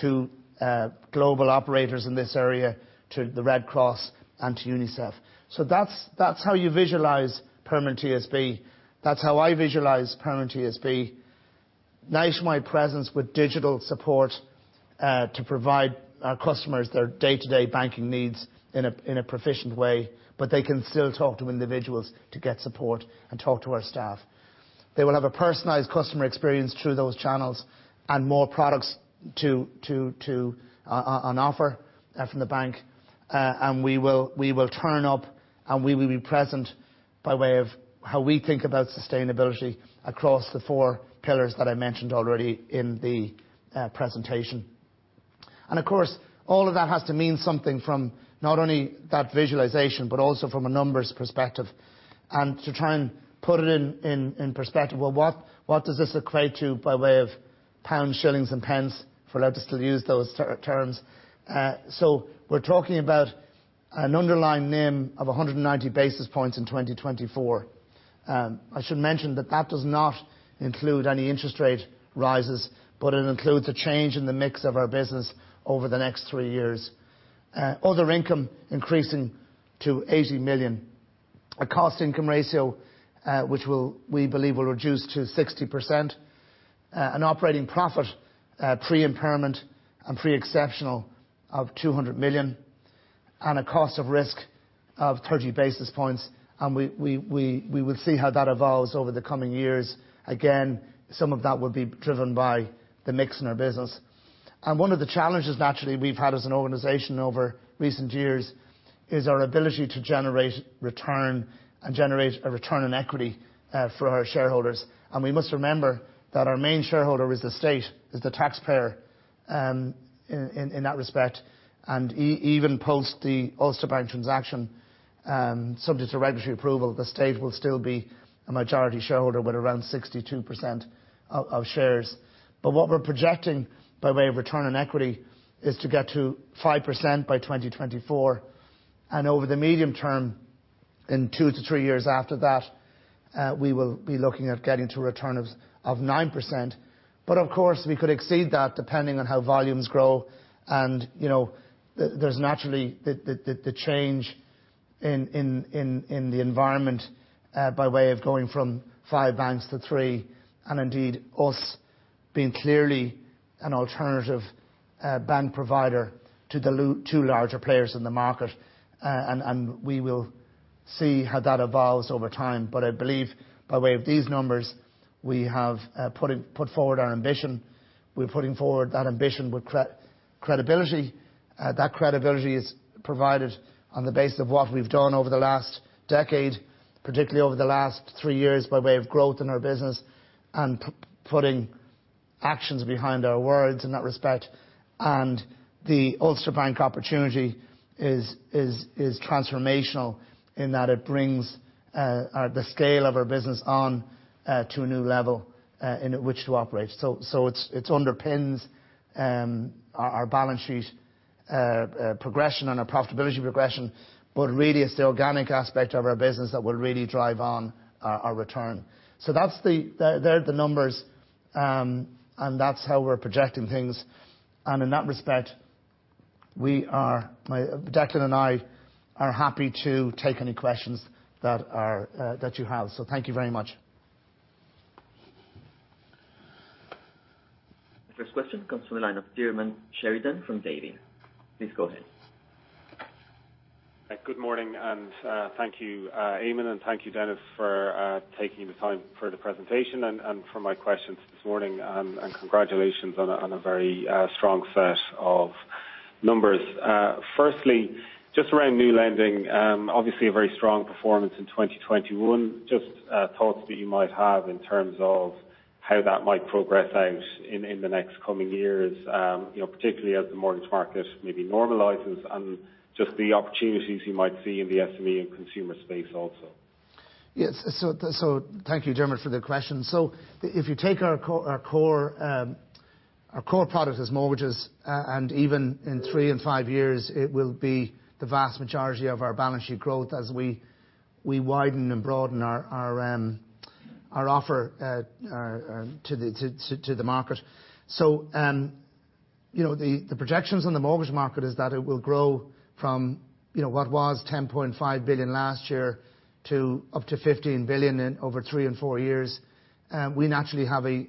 S1: to global organisations in this area, to the Red Cross and to UNICEF. That's how you visualize Permanent TSB. That's how I visualize Permanent TSB. Night and day presence with digital support to provide our customers their day-to-day banking needs in a proficient way, but they can still talk to individuals to get support and talk to our staff. They will have a personalized customer experience through those channels and more products to offer from the bank. We will turn up and we will be present by way of how we think about sustainability across the four pillars that I mentioned already in the presentation. Of course, all of that has to mean something from not only that visualization but also from a numbers perspective. To try and put it in perspective, what does this equate to by way of pounds, shillings, and pence, if we're allowed to still use those terms. We're talking about an underlying NIM of 190 basis points in 2024. I should mention that does not include any interest rate rises, but it includes a change in the mix of our business over the next three years. Other income increasing to 80 million. A cost income ratio which will, we believe, reduce to 60%. An operating profit pre-impairment and pre-exceptional of 200 million, and a cost of risk of 30 basis points. We will see how that evolves over the coming years. Again, some of that will be driven by the mix in our business. One of the challenges naturally we've had as an organization over recent years is our ability to generate return and generate a return on equity for our shareholders. We must remember that our main shareholder is the state, is the taxpayer, in that respect. Even post the Ulster Bank transaction, subject to regulatory approval, the state will still be a majority shareholder with around 62% of shares. What we're projecting by way of return on equity is to get to 5% by 2024. Over the medium term, in two-three years after that, we will be looking at getting to a return of 9%. Of course, we could exceed that depending on how volumes grow, and there's naturally the change in the environment by way of going from five banks to three, and indeed, us being clearly an alternative bank provider to the two larger players in the market. We will see how that evolves over time. I believe by way of these numbers, we have put forward our ambition. We're putting forward that ambition with credibility. That credibility is provided on the basis of what we've done over the last decade, particularly over the last three years, by way of growth in our business and putting actions behind our words in that respect. The Ulster Bank opportunity is transformational in that it brings the scale of our business onto a new level in which to operate. It underpins our balance sheet progression and our profitability progression, but really it's the organic aspect of our business that will really drive on our return. That's it. They're the numbers and that's how we're projecting things. In that respect, Declan and I are happy to take any questions that you have. Thank you very much.
S3: The first question comes from the line of Diarmuid Sheridan from Davy. Please go ahead.
S4: Good morning, and thank you, Eamonn, and thank you, Declan, for taking the time for the presentation and for my questions this morning. Congratulations on a very strong set of numbers. Firstly, just around new lending, obviously a very strong performance in 2021. Just thoughts that you might have in terms of how that might progress out in the next coming years particularly as the mortgage market maybe normalizes and just the opportunities you might see in the SME and consumer space also.
S1: Yes. Thank you, Diarmuid, for the question. If you take our core product is mortgages, and even in 3 and 5 years, it will be the vast majority of our balance sheet growth as we widen and broaden our offer to the market. The projections on the mortgage market is that it will grow from what was 10.5 billion last year to up to 15 billion in over three and four years. We naturally have a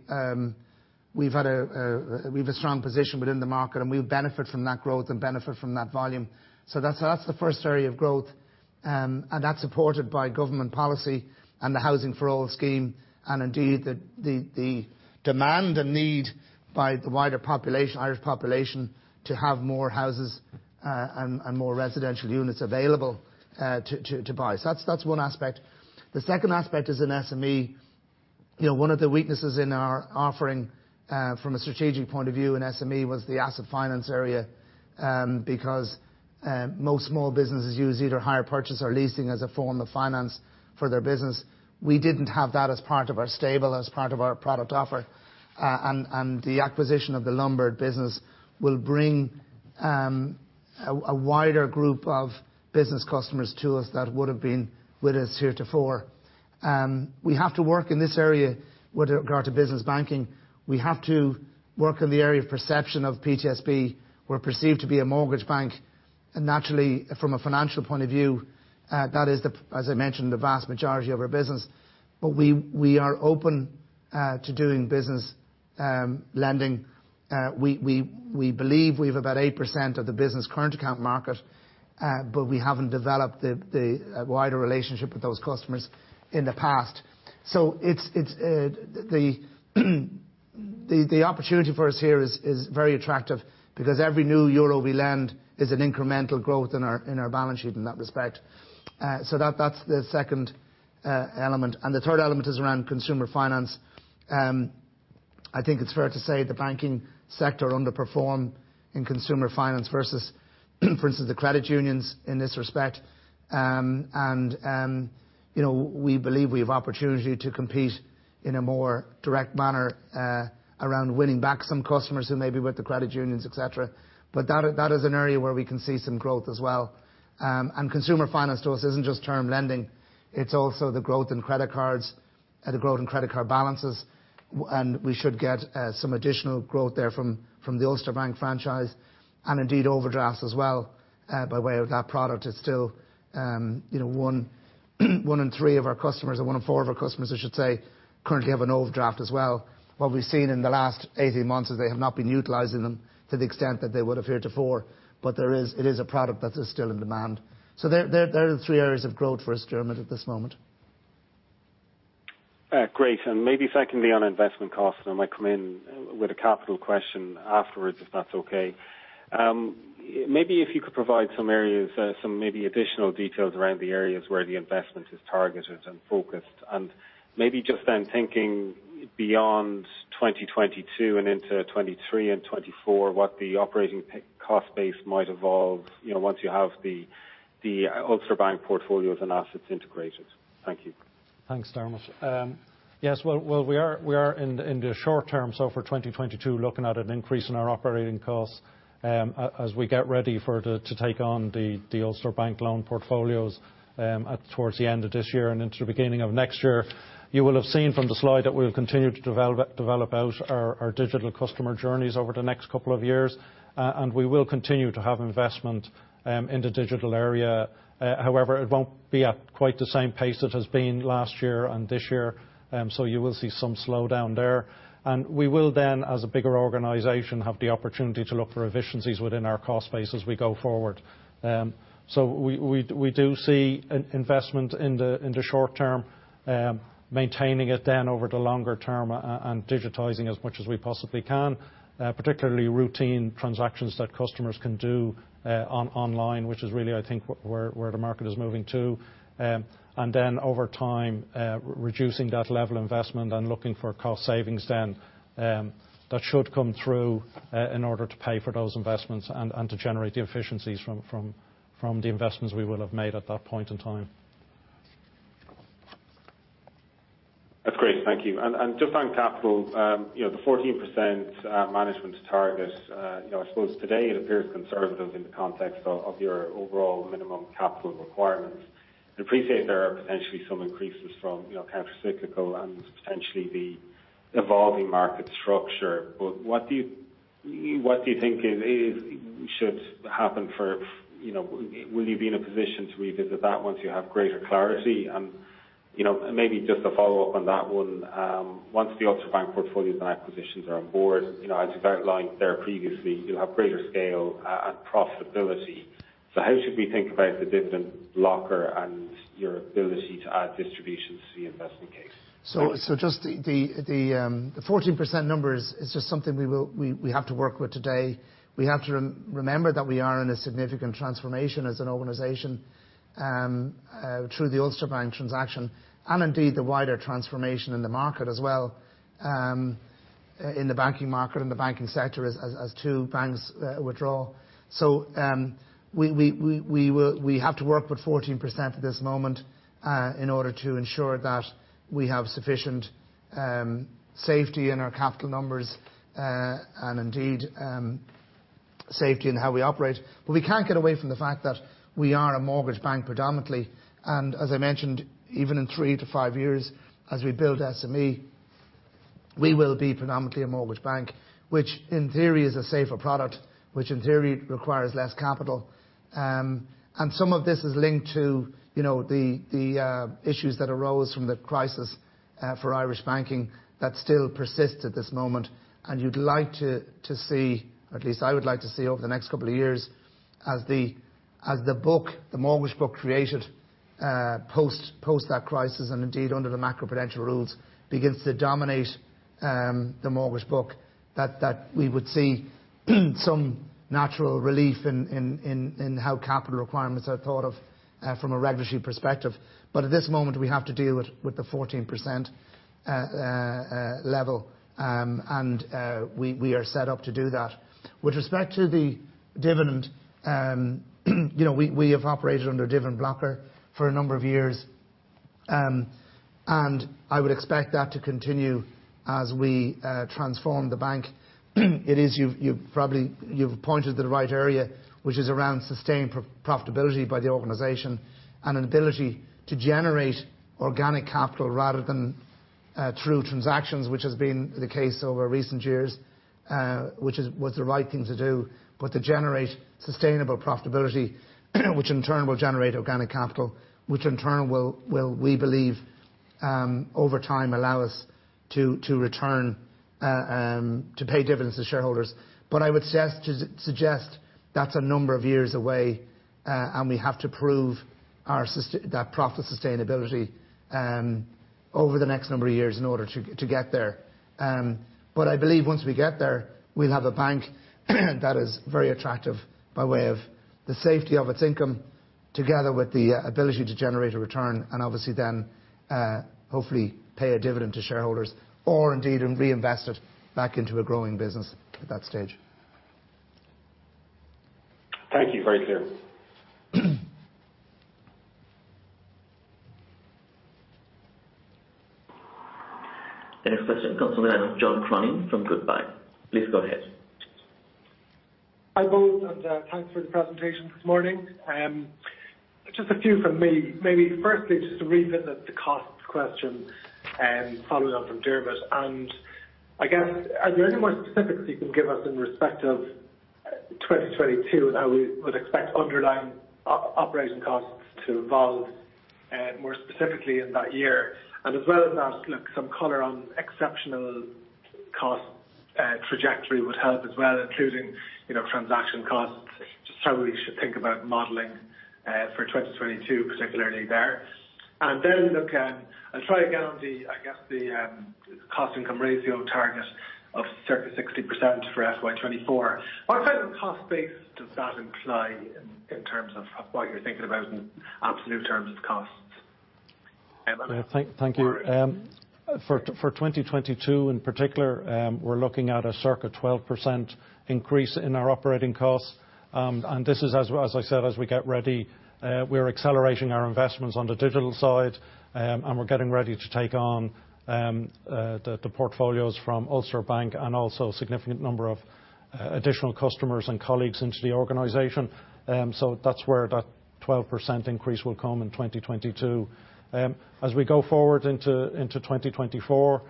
S1: strong position within the market, and we'll benefit from that growth and benefit from that volume. That's the first area of growth. That's supported by government policy and the Housing for All scheme, and indeed, the demand and need by the wider population, Irish population, to have more houses, and more residential units available, to buy. That's one aspect. The second aspect is in SME. One of the weaknesses in our offering, from a strategic point of view in SME was the asset finance area, because most small businesses use either hire purchase or leasing as a form of finance for their business. We didn't have that as part of our stable, as part of our product offer. The acquisition of the Lombard business will bring a wider group of business customers to us that would have been with us heretofore. We have to work in this area with regard to business banking. We have to work in the area of perception of PTSB. We're perceived to be a mortgage bank. Naturally, from a financial point of view, that is, as I mentioned, the vast majority of our business. We are open to doing business lending. We believe we have about 8% of the business current account market, but we haven't developed a wider relationship with those customers in the past. It's the opportunity for us here is very attractive because every new euro we lend is an incremental growth in our balance sheet in that respect. That’s the second element. The third element is around consumer finance. I think it's fair to say the banking sector underperform in consumer finance versus, for instance, the credit unions in this respect. We believe we have opportunity to compete in a more direct manner around winning back some customers who may be with the credit unions, et cetera. That is an area where we can see some growth as well. Consumer finance to us isn't just term lending, it's also the growth in credit cards, the growth in credit card balances. We should get some additional growth there from the Ulster Bank franchise, and indeed, overdrafts as well, by way of that product is still one in three of our customers or one in four of our customers, I should say, currently have an overdraft as well. What we've seen in the last 18 months is they have not been utilizing them to the extent that they would have heretofore, but there is, it is a product that is still in demand. They're the three areas of growth for us, Diarmuid, at this moment.
S4: Great. Maybe secondly on investment costs, and I might come in with a capital question afterwards, if that's okay. Maybe if you could provide some areas, some maybe additional details around the areas where the investment is targeted and focused. Maybe just then thinking beyond 2022 and into 2023 and 2024, what the operating cost base might evolve once you have the Ulster Bank portfolios and assets integrated. Thank you.
S2: Thanks, Diarmuid. Yes. Well, we are in the short term, so for 2022, looking at an increase in our operating costs, as we get ready to take on the Ulster Bank loan portfolios, towards the end of this year and into the beginning of next year. You will have seen from the slide that we'll continue to develop out our digital customer journeys over the next couple of years, and we will continue to have investment in the digital area. However, it won't be at quite the same pace it has been last year and this year, so you will see some slowdown there. We will then, as a bigger organization, have the opportunity to look for efficiencies within our cost base as we go forward. We do see investment in the short term, maintaining it, then over the longer term and digitizing as much as we possibly can, particularly routine transactions that customers can do online, which is really, I think, where the market is moving to. Over time, reducing that level of investment and looking for cost savings that should come through in order to pay for those investments and to generate the efficiencies from the investments we will have made at that point in time.
S4: That's great. Thank you. Just on capital the 14% management target I suppose today it appears conservative in the context of your overall minimum capital requirements. I appreciate there are potentially some increases from countercyclical and potentially the evolving market structure. What do you think should happen for will you be in a position to revisit that once you have greater clarity? maybe just a follow-up on that one, once the Ulster Bank portfolios and acquisitions are on board as you've outlined there previously, you'll have greater scale and profitability. How should we think about the dividend locker and your ability to add distributions to the investment case?
S1: Just the 14% number is just something we will have to work with today. We have to remember that we are in a significant transformation as an organization through the Ulster Bank transaction, and indeed the wider transformation in the market as well, in the banking market and the banking sector as two banks withdraw. We have to work with 14% at this moment in order to ensure that we have sufficient safety in our capital numbers, and indeed, safety in how we operate. We can't get away from the fact that we are a mortgage bank predominantly. As I mentioned, even in 3-5 years as we build SME, we will be predominantly a mortgage bank, which in theory is a safer product, which in theory requires less capital. Some of this is linked to the issues that arose from the crisis for Irish banking that still persists at this moment. You'd like to see, or at least I would like to see over the next couple of years as the book, the mortgage book created post that crisis, and indeed under the macro-prudential rules, begins to dominate.
S2: The mortgage book that we would see some natural relief in in how capital requirements are thought of from a regulatory perspective. At this moment, we have to deal with the 14% level. We are set up to do that. With respect to the dividend we have operated under a dividend blocker for a number of years. I would expect that to continue as we transform the bank. You've probably pointed to the right area, which is around sustained profitability by the organization and an ability to generate organic capital rather than through transactions, which has been the case over recent years, which was the right thing to do. To generate sustainable profitability, which in turn will generate organic capital, which in turn will, we believe, over time allow us to return to pay dividends to shareholders. I would suggest that's a number of years away, and we have to prove that profit sustainability over the next number of years in order to get there. I believe once we get there, we'll have a bank that is very attractive by way of the safety of its income together with the ability to generate a return, and obviously then hopefully pay a dividend to shareholders or indeed and reinvest it back into a growing business at that stage.
S4: Thank you. Very clear.
S3: The next question comes from John Cronin from Goodbody. Please go ahead.
S5: Hi, both, thanks for the presentation this morning. Just a few from me. Maybe firstly, just to revisit the cost question, following on from Diarmuid. I guess, are there any more specifics you can give us in respect of 2022 and how we would expect underlying operating costs to evolve, more specifically in that year? As well as that, look, some color on exceptional cost trajectory would help as well, including transaction costs, just how we should think about modeling for 2022, particularly there. Then, look, I'll try again on the, I guess, the cost income ratio target of circa 60% for FY 2024. What type of cost base does that imply in terms of what you're thinking about in absolute terms of costs?
S2: Thank you. For 2022 in particular, we're looking at a circa 12% increase in our operating costs. This is as I said, as we get ready, we are accelerating our investments on the digital side, and we're getting ready to take on the portfolios from Ulster Bank and also a significant number of additional customers and colleagues into the organization. That's where that 12% increase will come in 2022. As we go forward into 2024,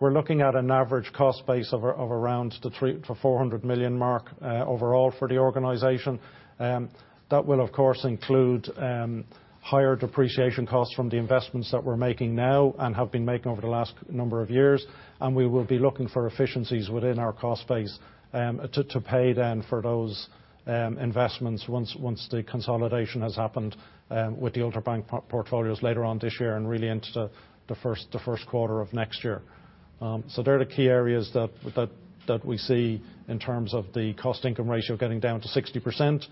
S2: we're looking at an average cost base of around the 300 million-400 million mark, overall for the organization. That will, of course, include higher depreciation costs from the investments that we're making now and have been making over the last number of years, and we will be looking for efficiencies within our cost base to pay then for those investments once the consolidation has happened with the Ulster Bank portfolios later on this year and really into the Q1 of next year. They're the key areas that we see in terms of the cost income ratio getting down to 60%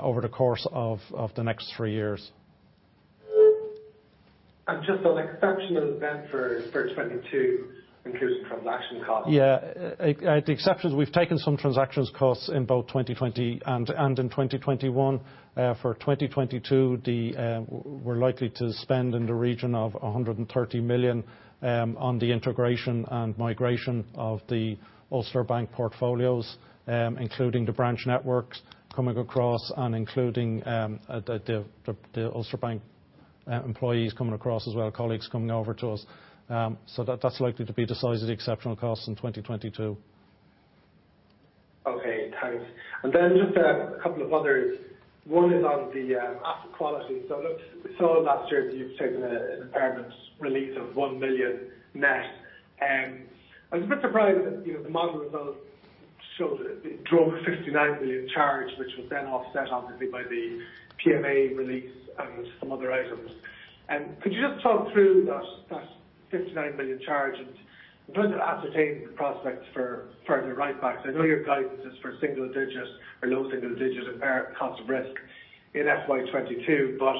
S2: over the course of the next three years.
S5: Just on exceptional events for 22, including transaction costs.
S2: Yeah. At the exceptionals, we've taken some transaction costs in both 2020 and in 2021. For 2022, we're likely to spend in the region of 130 million on the integration and migration of the Ulster Bank portfolios, including the branch networks coming across and including the Ulster Bank employees coming across as well, colleagues coming over to us. That's likely to be the size of the exceptional costs in 2022.
S5: Okay. Thanks. Then just a couple of others. One is on the asset quality. Look, we saw last year that you've taken an impairment release of 1 million net. I was a bit surprised that the model results showed it drove a 59 million charge, which was then offset obviously by the PMA release and some other items. Could you just talk through that 59 million charge? I'm trying to ascertain the prospects for further write-backs. I know your guidance is for single digits or low single digits in impairment cost of risk in FY 2022, but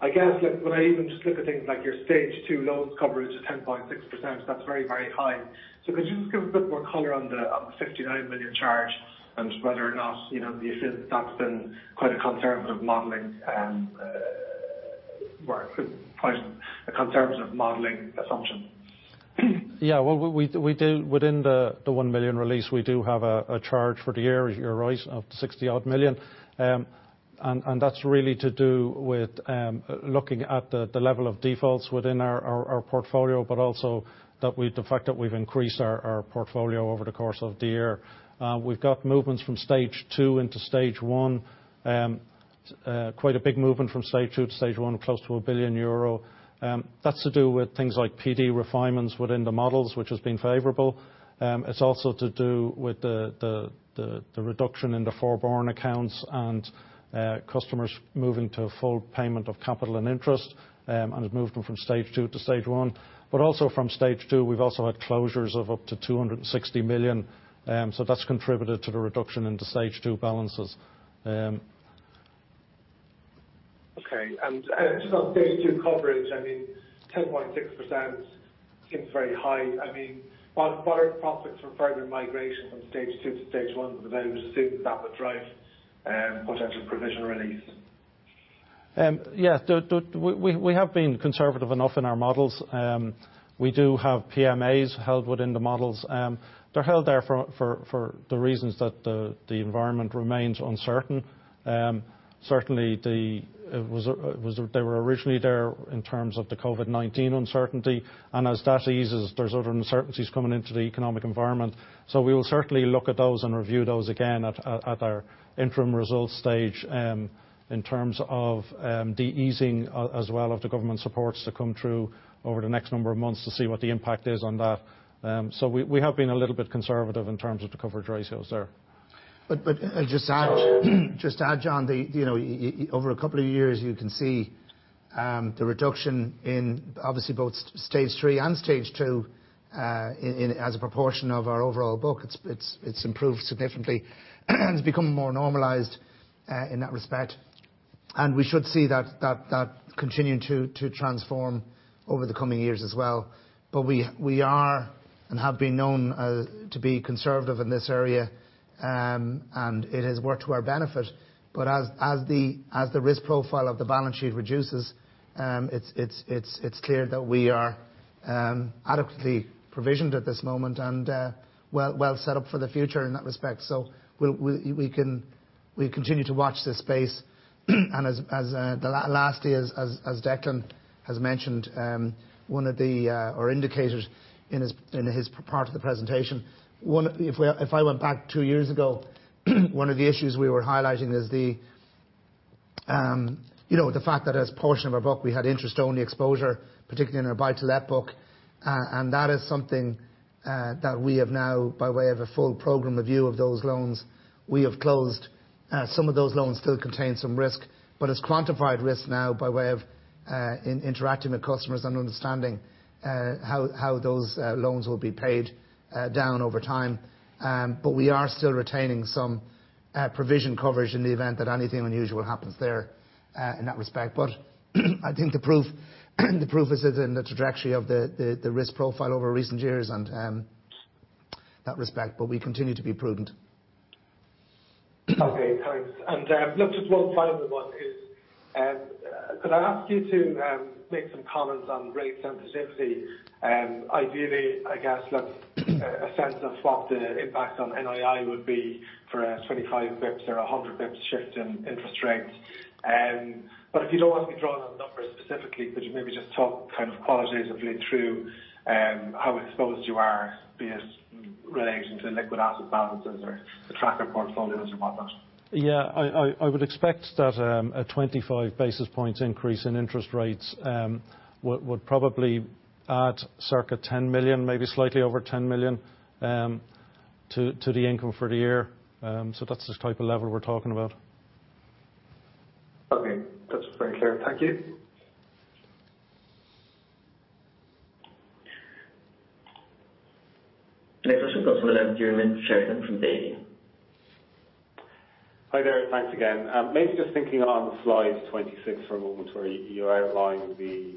S5: I guess, like, when I even just look at things like your stage two loans coverage of 10.6%, that's very, very high. Could you just give a bit more color on the 59 million charge and whether or not you feel that that's been quite a conservative modeling assumption?
S2: Yeah. Well, we do have a charge for the year within the EUR 1 million release, you're right, of 60-odd million. That's really to do with looking at the level of defaults within our portfolio, but also the fact that we've increased our portfolio over the course of the year. We've got movements from stage two into stage one. Quite a big movement from stage two to stage one, close to 1 billion euro. That's to do with things like PD refinements within the models, which has been favorable. It's also to do with the reduction in the forborne accounts and customers moving to full payment of capital and interest, and has moved them from stage two to stage one. Also from Stage 2, we've also had closures of up to 260 million, so that's contributed to the reduction in the Stage 2 balances.
S5: Okay. Just on stage two coverage, I mean, 10.6% seems very high. I mean, barring profits from further migration from stage two to stage one, would assume that would drive potential provision release.
S2: We have been conservative enough in our models. We do have PMAs held within the models. They're held there for the reasons that the environment remains uncertain. Certainly, they were originally there in terms of the COVID-19 uncertainty, and as that eases, there's other uncertainties coming into the economic environment. We will certainly look at those and review those again at our interim results stage, in terms of the easing as well of the government supports to come through over the next number of months to see what the impact is on that. We have been a little bit conservative in terms of the coverage ratios there.
S1: I'll just add, John over a couple of years you can see the reduction in obviously both Stage 3 and Stage 2 in as a proportion of our overall book. It's improved significantly and it's become more normalized in that respect. We should see that continuing to transform over the coming years as well. We are and have been known to be conservative in this area and it has worked to our benefit. As the risk profile of the balance sheet reduces, it's clear that we are adequately provisioned at this moment and well set up for the future in that respect. We continue to watch this space and last year, as Declan has mentioned, one of the indicators in his part of the presentation, one, if I went back two years ago, one of the issues we were highlighting is the fact that a portion of our book, we had interest-only exposure, particularly in our buy-to-let book. That is something that we have now, by way of a full program review of those loans, closed. Some of those loans still contain some risk, but it's quantified risk now by way of interacting with customers and understanding how those loans will be paid down over time. We are still retaining some provision coverage in the event that anything unusual happens there, in that respect. I think the proof is in the trajectory of the risk profile over recent years and in that respect, but we continue to be prudent.
S5: Okay, thanks. Look, just one final one is, could I ask you to make some comments on rate sensitivity? Ideally, I guess, look, a sense of what the impact on NII would be for a 25 basis points or a 100 basis points shift in interest rates. If you don't want to be drawing on numbers specifically, could you maybe just talk kind of qualitatively through how exposed you are, be it relating to liquid asset balances or the tracker portfolios or whatnot?
S2: Yeah. I would expect that a 25 basis points increase in interest rates would probably add circa 10 million, maybe slightly over 10 million, to the income for the year. That's the type of level we're talking about.
S5: Okay. That's very clear. Thank you.
S3: Next question comes from Diarmuid Sheridan from Davy.
S4: Hi there. Thanks again. Maybe just thinking on slide 26 for a moment, where you outline the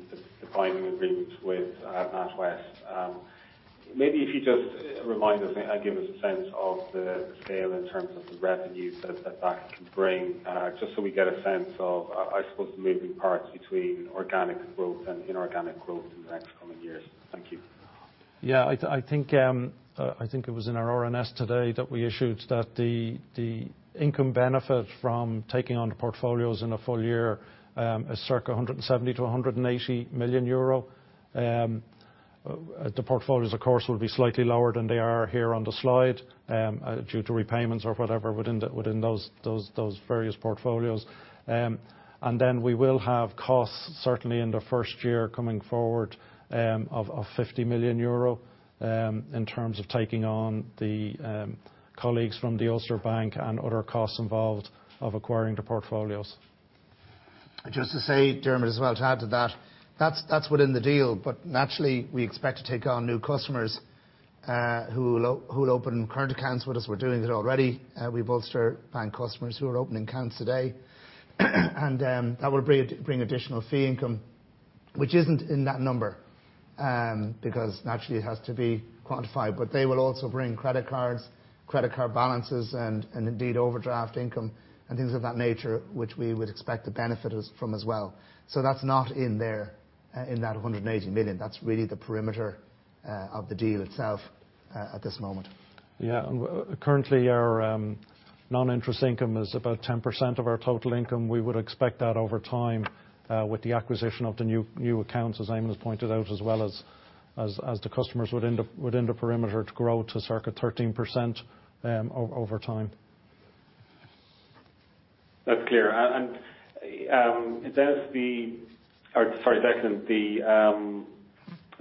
S4: binding agreement with NatWest. Maybe if you just remind us and give us a sense of the scale in terms of the revenues that can bring, just so we get a sense of I suppose the moving parts between organic growth and inorganic growth in the next coming years. Thank you.
S2: Yeah. I think it was in our RNS today that the income benefit from taking on the portfolios in a full year is circa 170 million-180 million euro. The portfolios, of course, will be slightly lower than they are here on the slide due to repayments or whatever within those various portfolios. Then we will have costs, certainly in the first year coming forward, of 50 million euro in terms of taking on the colleagues from the Ulster Bank and other costs involved of acquiring the portfolios.
S1: Just to say, Diarmuid, as well, to add to that's within the deal. Naturally, we expect to take on new customers who'll open current accounts with us. We're doing it already with Ulster Bank customers who are opening accounts today. That will bring additional fee income, which isn't in that number because naturally it has to be quantified. They will also bring credit cards, credit card balances, and indeed overdraft income and things of that nature which we would expect to benefit us from as well. That's not in there in that 180 million. That's really the parameters of the deal itself at this moment.
S2: Yeah. Currently our non-interest income is about 10% of our total income. We would expect that over time, with the acquisition of the new accounts, as Eamonn has pointed out, as well as the customers within the perimeter to grow to circa 13%, over time.
S4: That's clear. Sorry, Declan,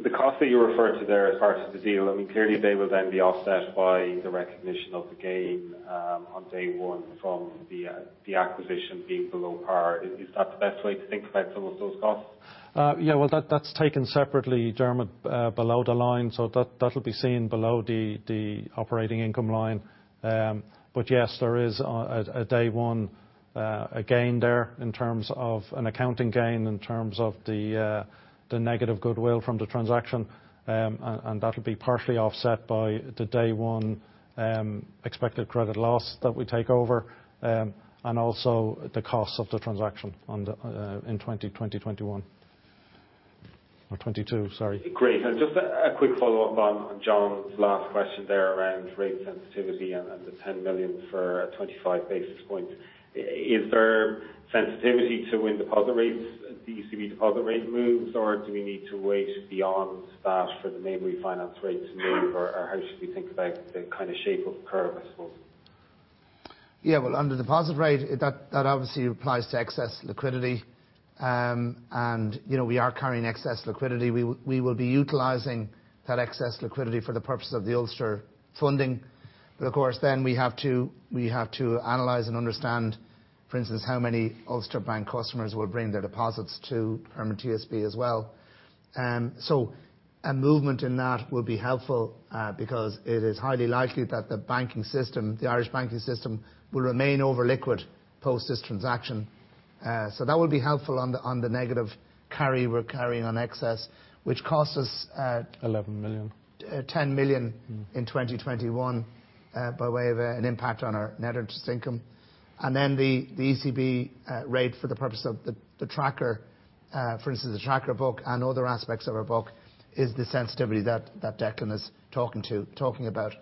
S4: the cost that you referred to there as far as the deal, I mean, clearly they will then be offset by the recognition of the gain on day one from the acquisition being below par. Is that the best way to think about some of those costs?
S1: Yeah, well, that's taken separately, Diarmuid, below the line, that'll be seen below the operating income line. Yes, there is on day one a gain there in terms of an accounting gain, in terms of the negative goodwill from the transaction. That'll be partially offset by the day one expected credit loss that we take over and also the cost of the transaction in 2021 or 2022, sorry.
S4: Great. Just a quick follow-up on John's last question there around rate sensitivity and the 10 million for a 25 basis point. Is there sensitivity to when deposit rates, the ECB deposit rate moves, or do we need to wait beyond that for the main refinance rate to move, or how should we think about the kind of shape of curve, I suppose?
S1: Yeah, well, on the deposit rate, that obviously applies to excess liquidity. we are carrying excess liquidity. We will be utilizing that excess liquidity for the purpose of the Ulster funding. Of course, we have to analyze and understand, for instance, how many Ulster Bank customers will bring their deposits to Permanent TSB as well. A movement in that will be helpful, because it is highly likely that the banking system, the Irish banking system, will remain over liquid post this transaction. That would be helpful on the negative carry we're carrying on excess, which costs us.
S2: 11 million.
S1: 10 million.
S2: Mm-hmm.
S1: In 2021, by way of an impact on our net interest income. Then the ECB rate for the purpose of the tracker, for instance, the tracker book and other aspects of our book is the sensitivity that Declan is talking about.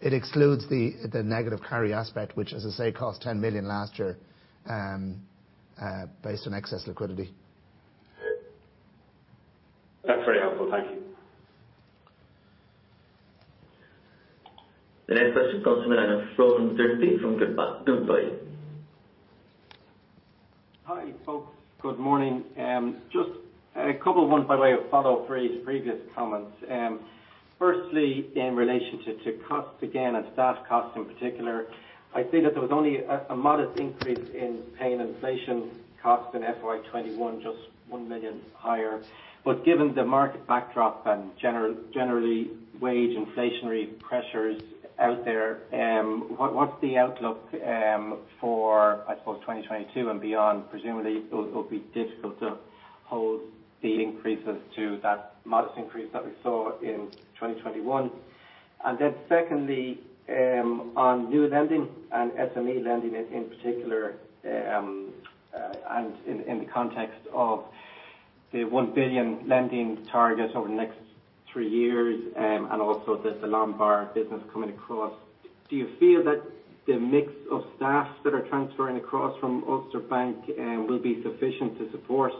S1: It excludes the negative carry aspect, which, as I say, cost 10 million last year, based on excess liquidity.
S4: That's very helpful. Thank you.
S3: The next question comes from the line of Flovan Thirsty from Goodbody.
S6: Hi, folks. Good morning. Just a couple of ones by way of follow through to previous comments. Firstly, in relation to costs again, and staff costs in particular, I see that there was only a modest increase in pay inflation costs in FY 2021, just 1 million higher. Given the market backdrop and generally wage inflationary pressures out there, what's the outlook for, I suppose, 2022 and beyond? Presumably it'll be difficult to hold the increases to that modest increase that we saw in 2021. Then secondly, on new lending and SME lending in particular, and in the context of the 1 billion lending target over the next three years, and also the Lombard business coming across. Do you feel that the mix of staff that are transferring across from Ulster Bank will be sufficient to support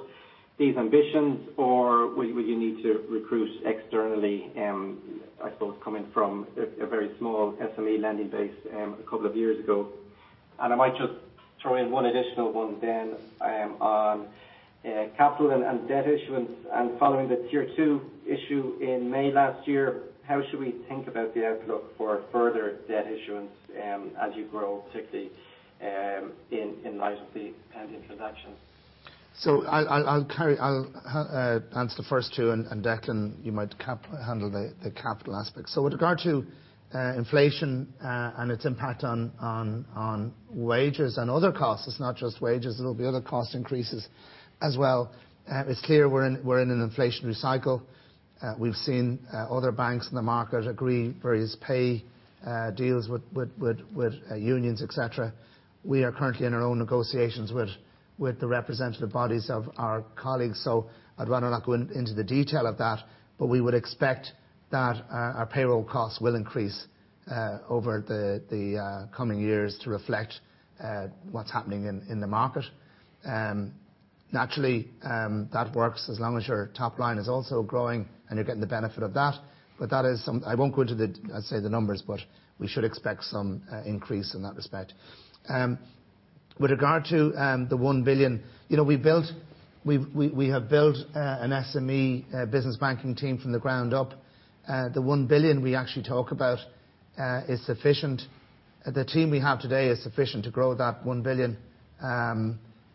S6: these ambitions or will you need to recruit externally, I suppose coming from a very small SME lending base a couple of years ago. I might just throw in one additional one then, on capital and debt issuance, and following the Tier 2 issue in May last year, how should we think about the outlook for further debt issuance, as you grow to 60, in light of the pending transaction?
S1: I'll answer the first two and Declan, you might handle the capital aspect. With regard to inflation and its impact on wages and other costs, it's not just wages, there'll be other cost increases as well. It's clear we're in an inflationary cycle. We've seen other banks in the market agree various pay deals with unions, et cetera. We are currently in our own negotiations with the representative bodies of our colleagues, so I'd rather not go into the detail of that. We would expect that our payroll costs will increase over the coming years to reflect what's happening in the market. Naturally, that works as long as your top line is also growing and you're getting the benefit of that. That is something I won't go into, I'd say, the numbers, but we should expect some increase in that respect. With regard to the 1 billion we have built an SME business banking team from the ground up. The 1 billion we actually talk about is sufficient. The team we have today is sufficient to grow that 1 billion.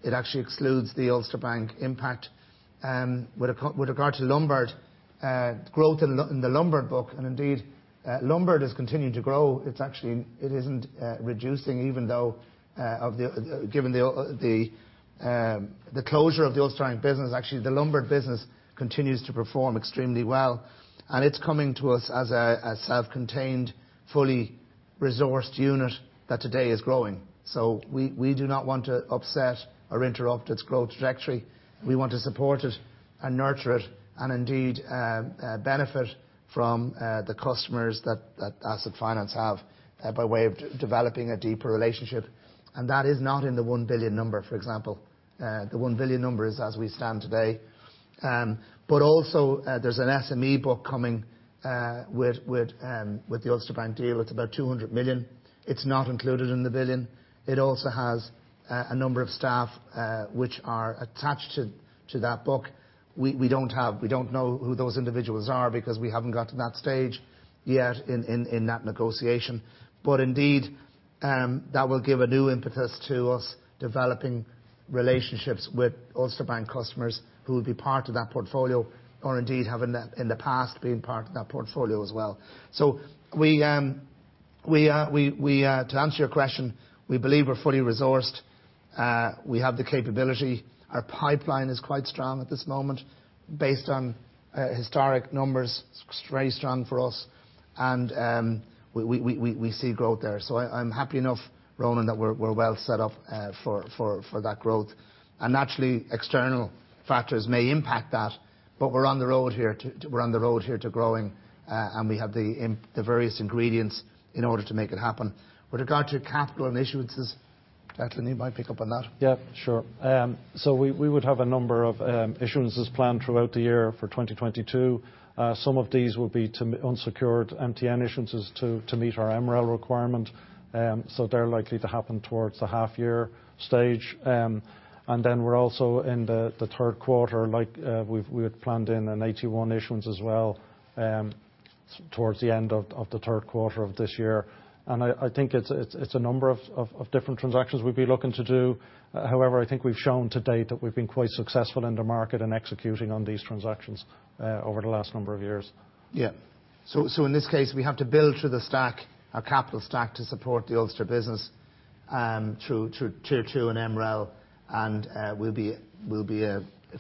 S1: It actually excludes the Ulster Bank impact. With regard to Lombard, growth in the Lombard book, and indeed, Lombard has continued to grow. It's actually, it isn't reducing even though given the closure of the Ulster Bank business. Actually the Lombard business continues to perform extremely well, and it's coming to us as a self-contained, fully resourced unit that today is growing. We do not want to upset or interrupt its growth trajectory. We want to support it and nurture it, and indeed, benefit from the customers that Asset Finance have by way of developing a deeper relationship. And that is not in the 1 billion number, for example. The 1 billion number is as we stand today. There's an SME book coming with the Ulster Bank deal. It's about 200 million. It's not included in the billion. It also has a number of staff which are attached to that book. We don't know who those individuals are because we haven't got to that stage yet in that negotiation. Indeed, that will give a new impetus to us developing relationships with Ulster Bank customers who will be part of that portfolio or indeed have in the past been part of that portfolio as well. To answer your question, we believe we're fully resourced. We have the capability. Our pipeline is quite strong at this moment, based on historic numbers, it's very strong for us. We see growth there. I'm happy enough, Ronan, that we're well set up for that growth. Naturally, external factors may impact that, but we're on the road here to growing, and we have the various ingredients in order to make it happen. With regard to capital and issuances, Declan, you might pick up on that.
S2: Yeah, sure. So we would have a number of issuances planned throughout the year for 2022. Some of these will be unsecured MTN issuances to meet our MREL requirement. So they're likely to happen towards the half-year stage. And then we're also in the Q3, like, we've had planned an AT1 issuance as well, towards the end of the Q3 of this year. I think it's a number of different transactions we'd be looking to do. However, I think we've shown to date that we've been quite successful in the market in executing on these transactions over the last number of years.
S1: In this case, we have to build through the stack, our capital stack, to support the Ulster business, through Tier 2 and MREL, and we'll be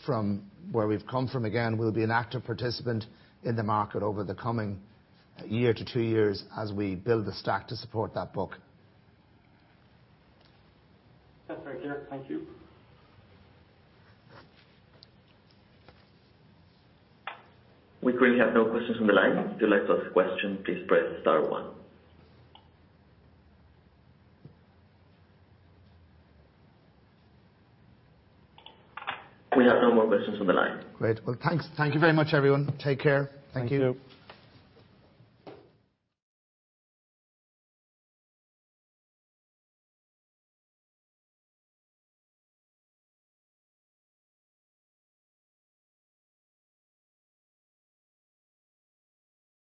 S1: from where we've come from. Again, we'll be an active participant in the market over the coming year to two years as we build the stack to support that book.
S6: That's very clear. Thank you. We currently have no questions on the line. If you'd like to ask a question, please press star one. We have no more questions on the line.
S1: Great. Well, thanks. Thank you very much, everyone. Take care. Thank you.
S2: Thank you.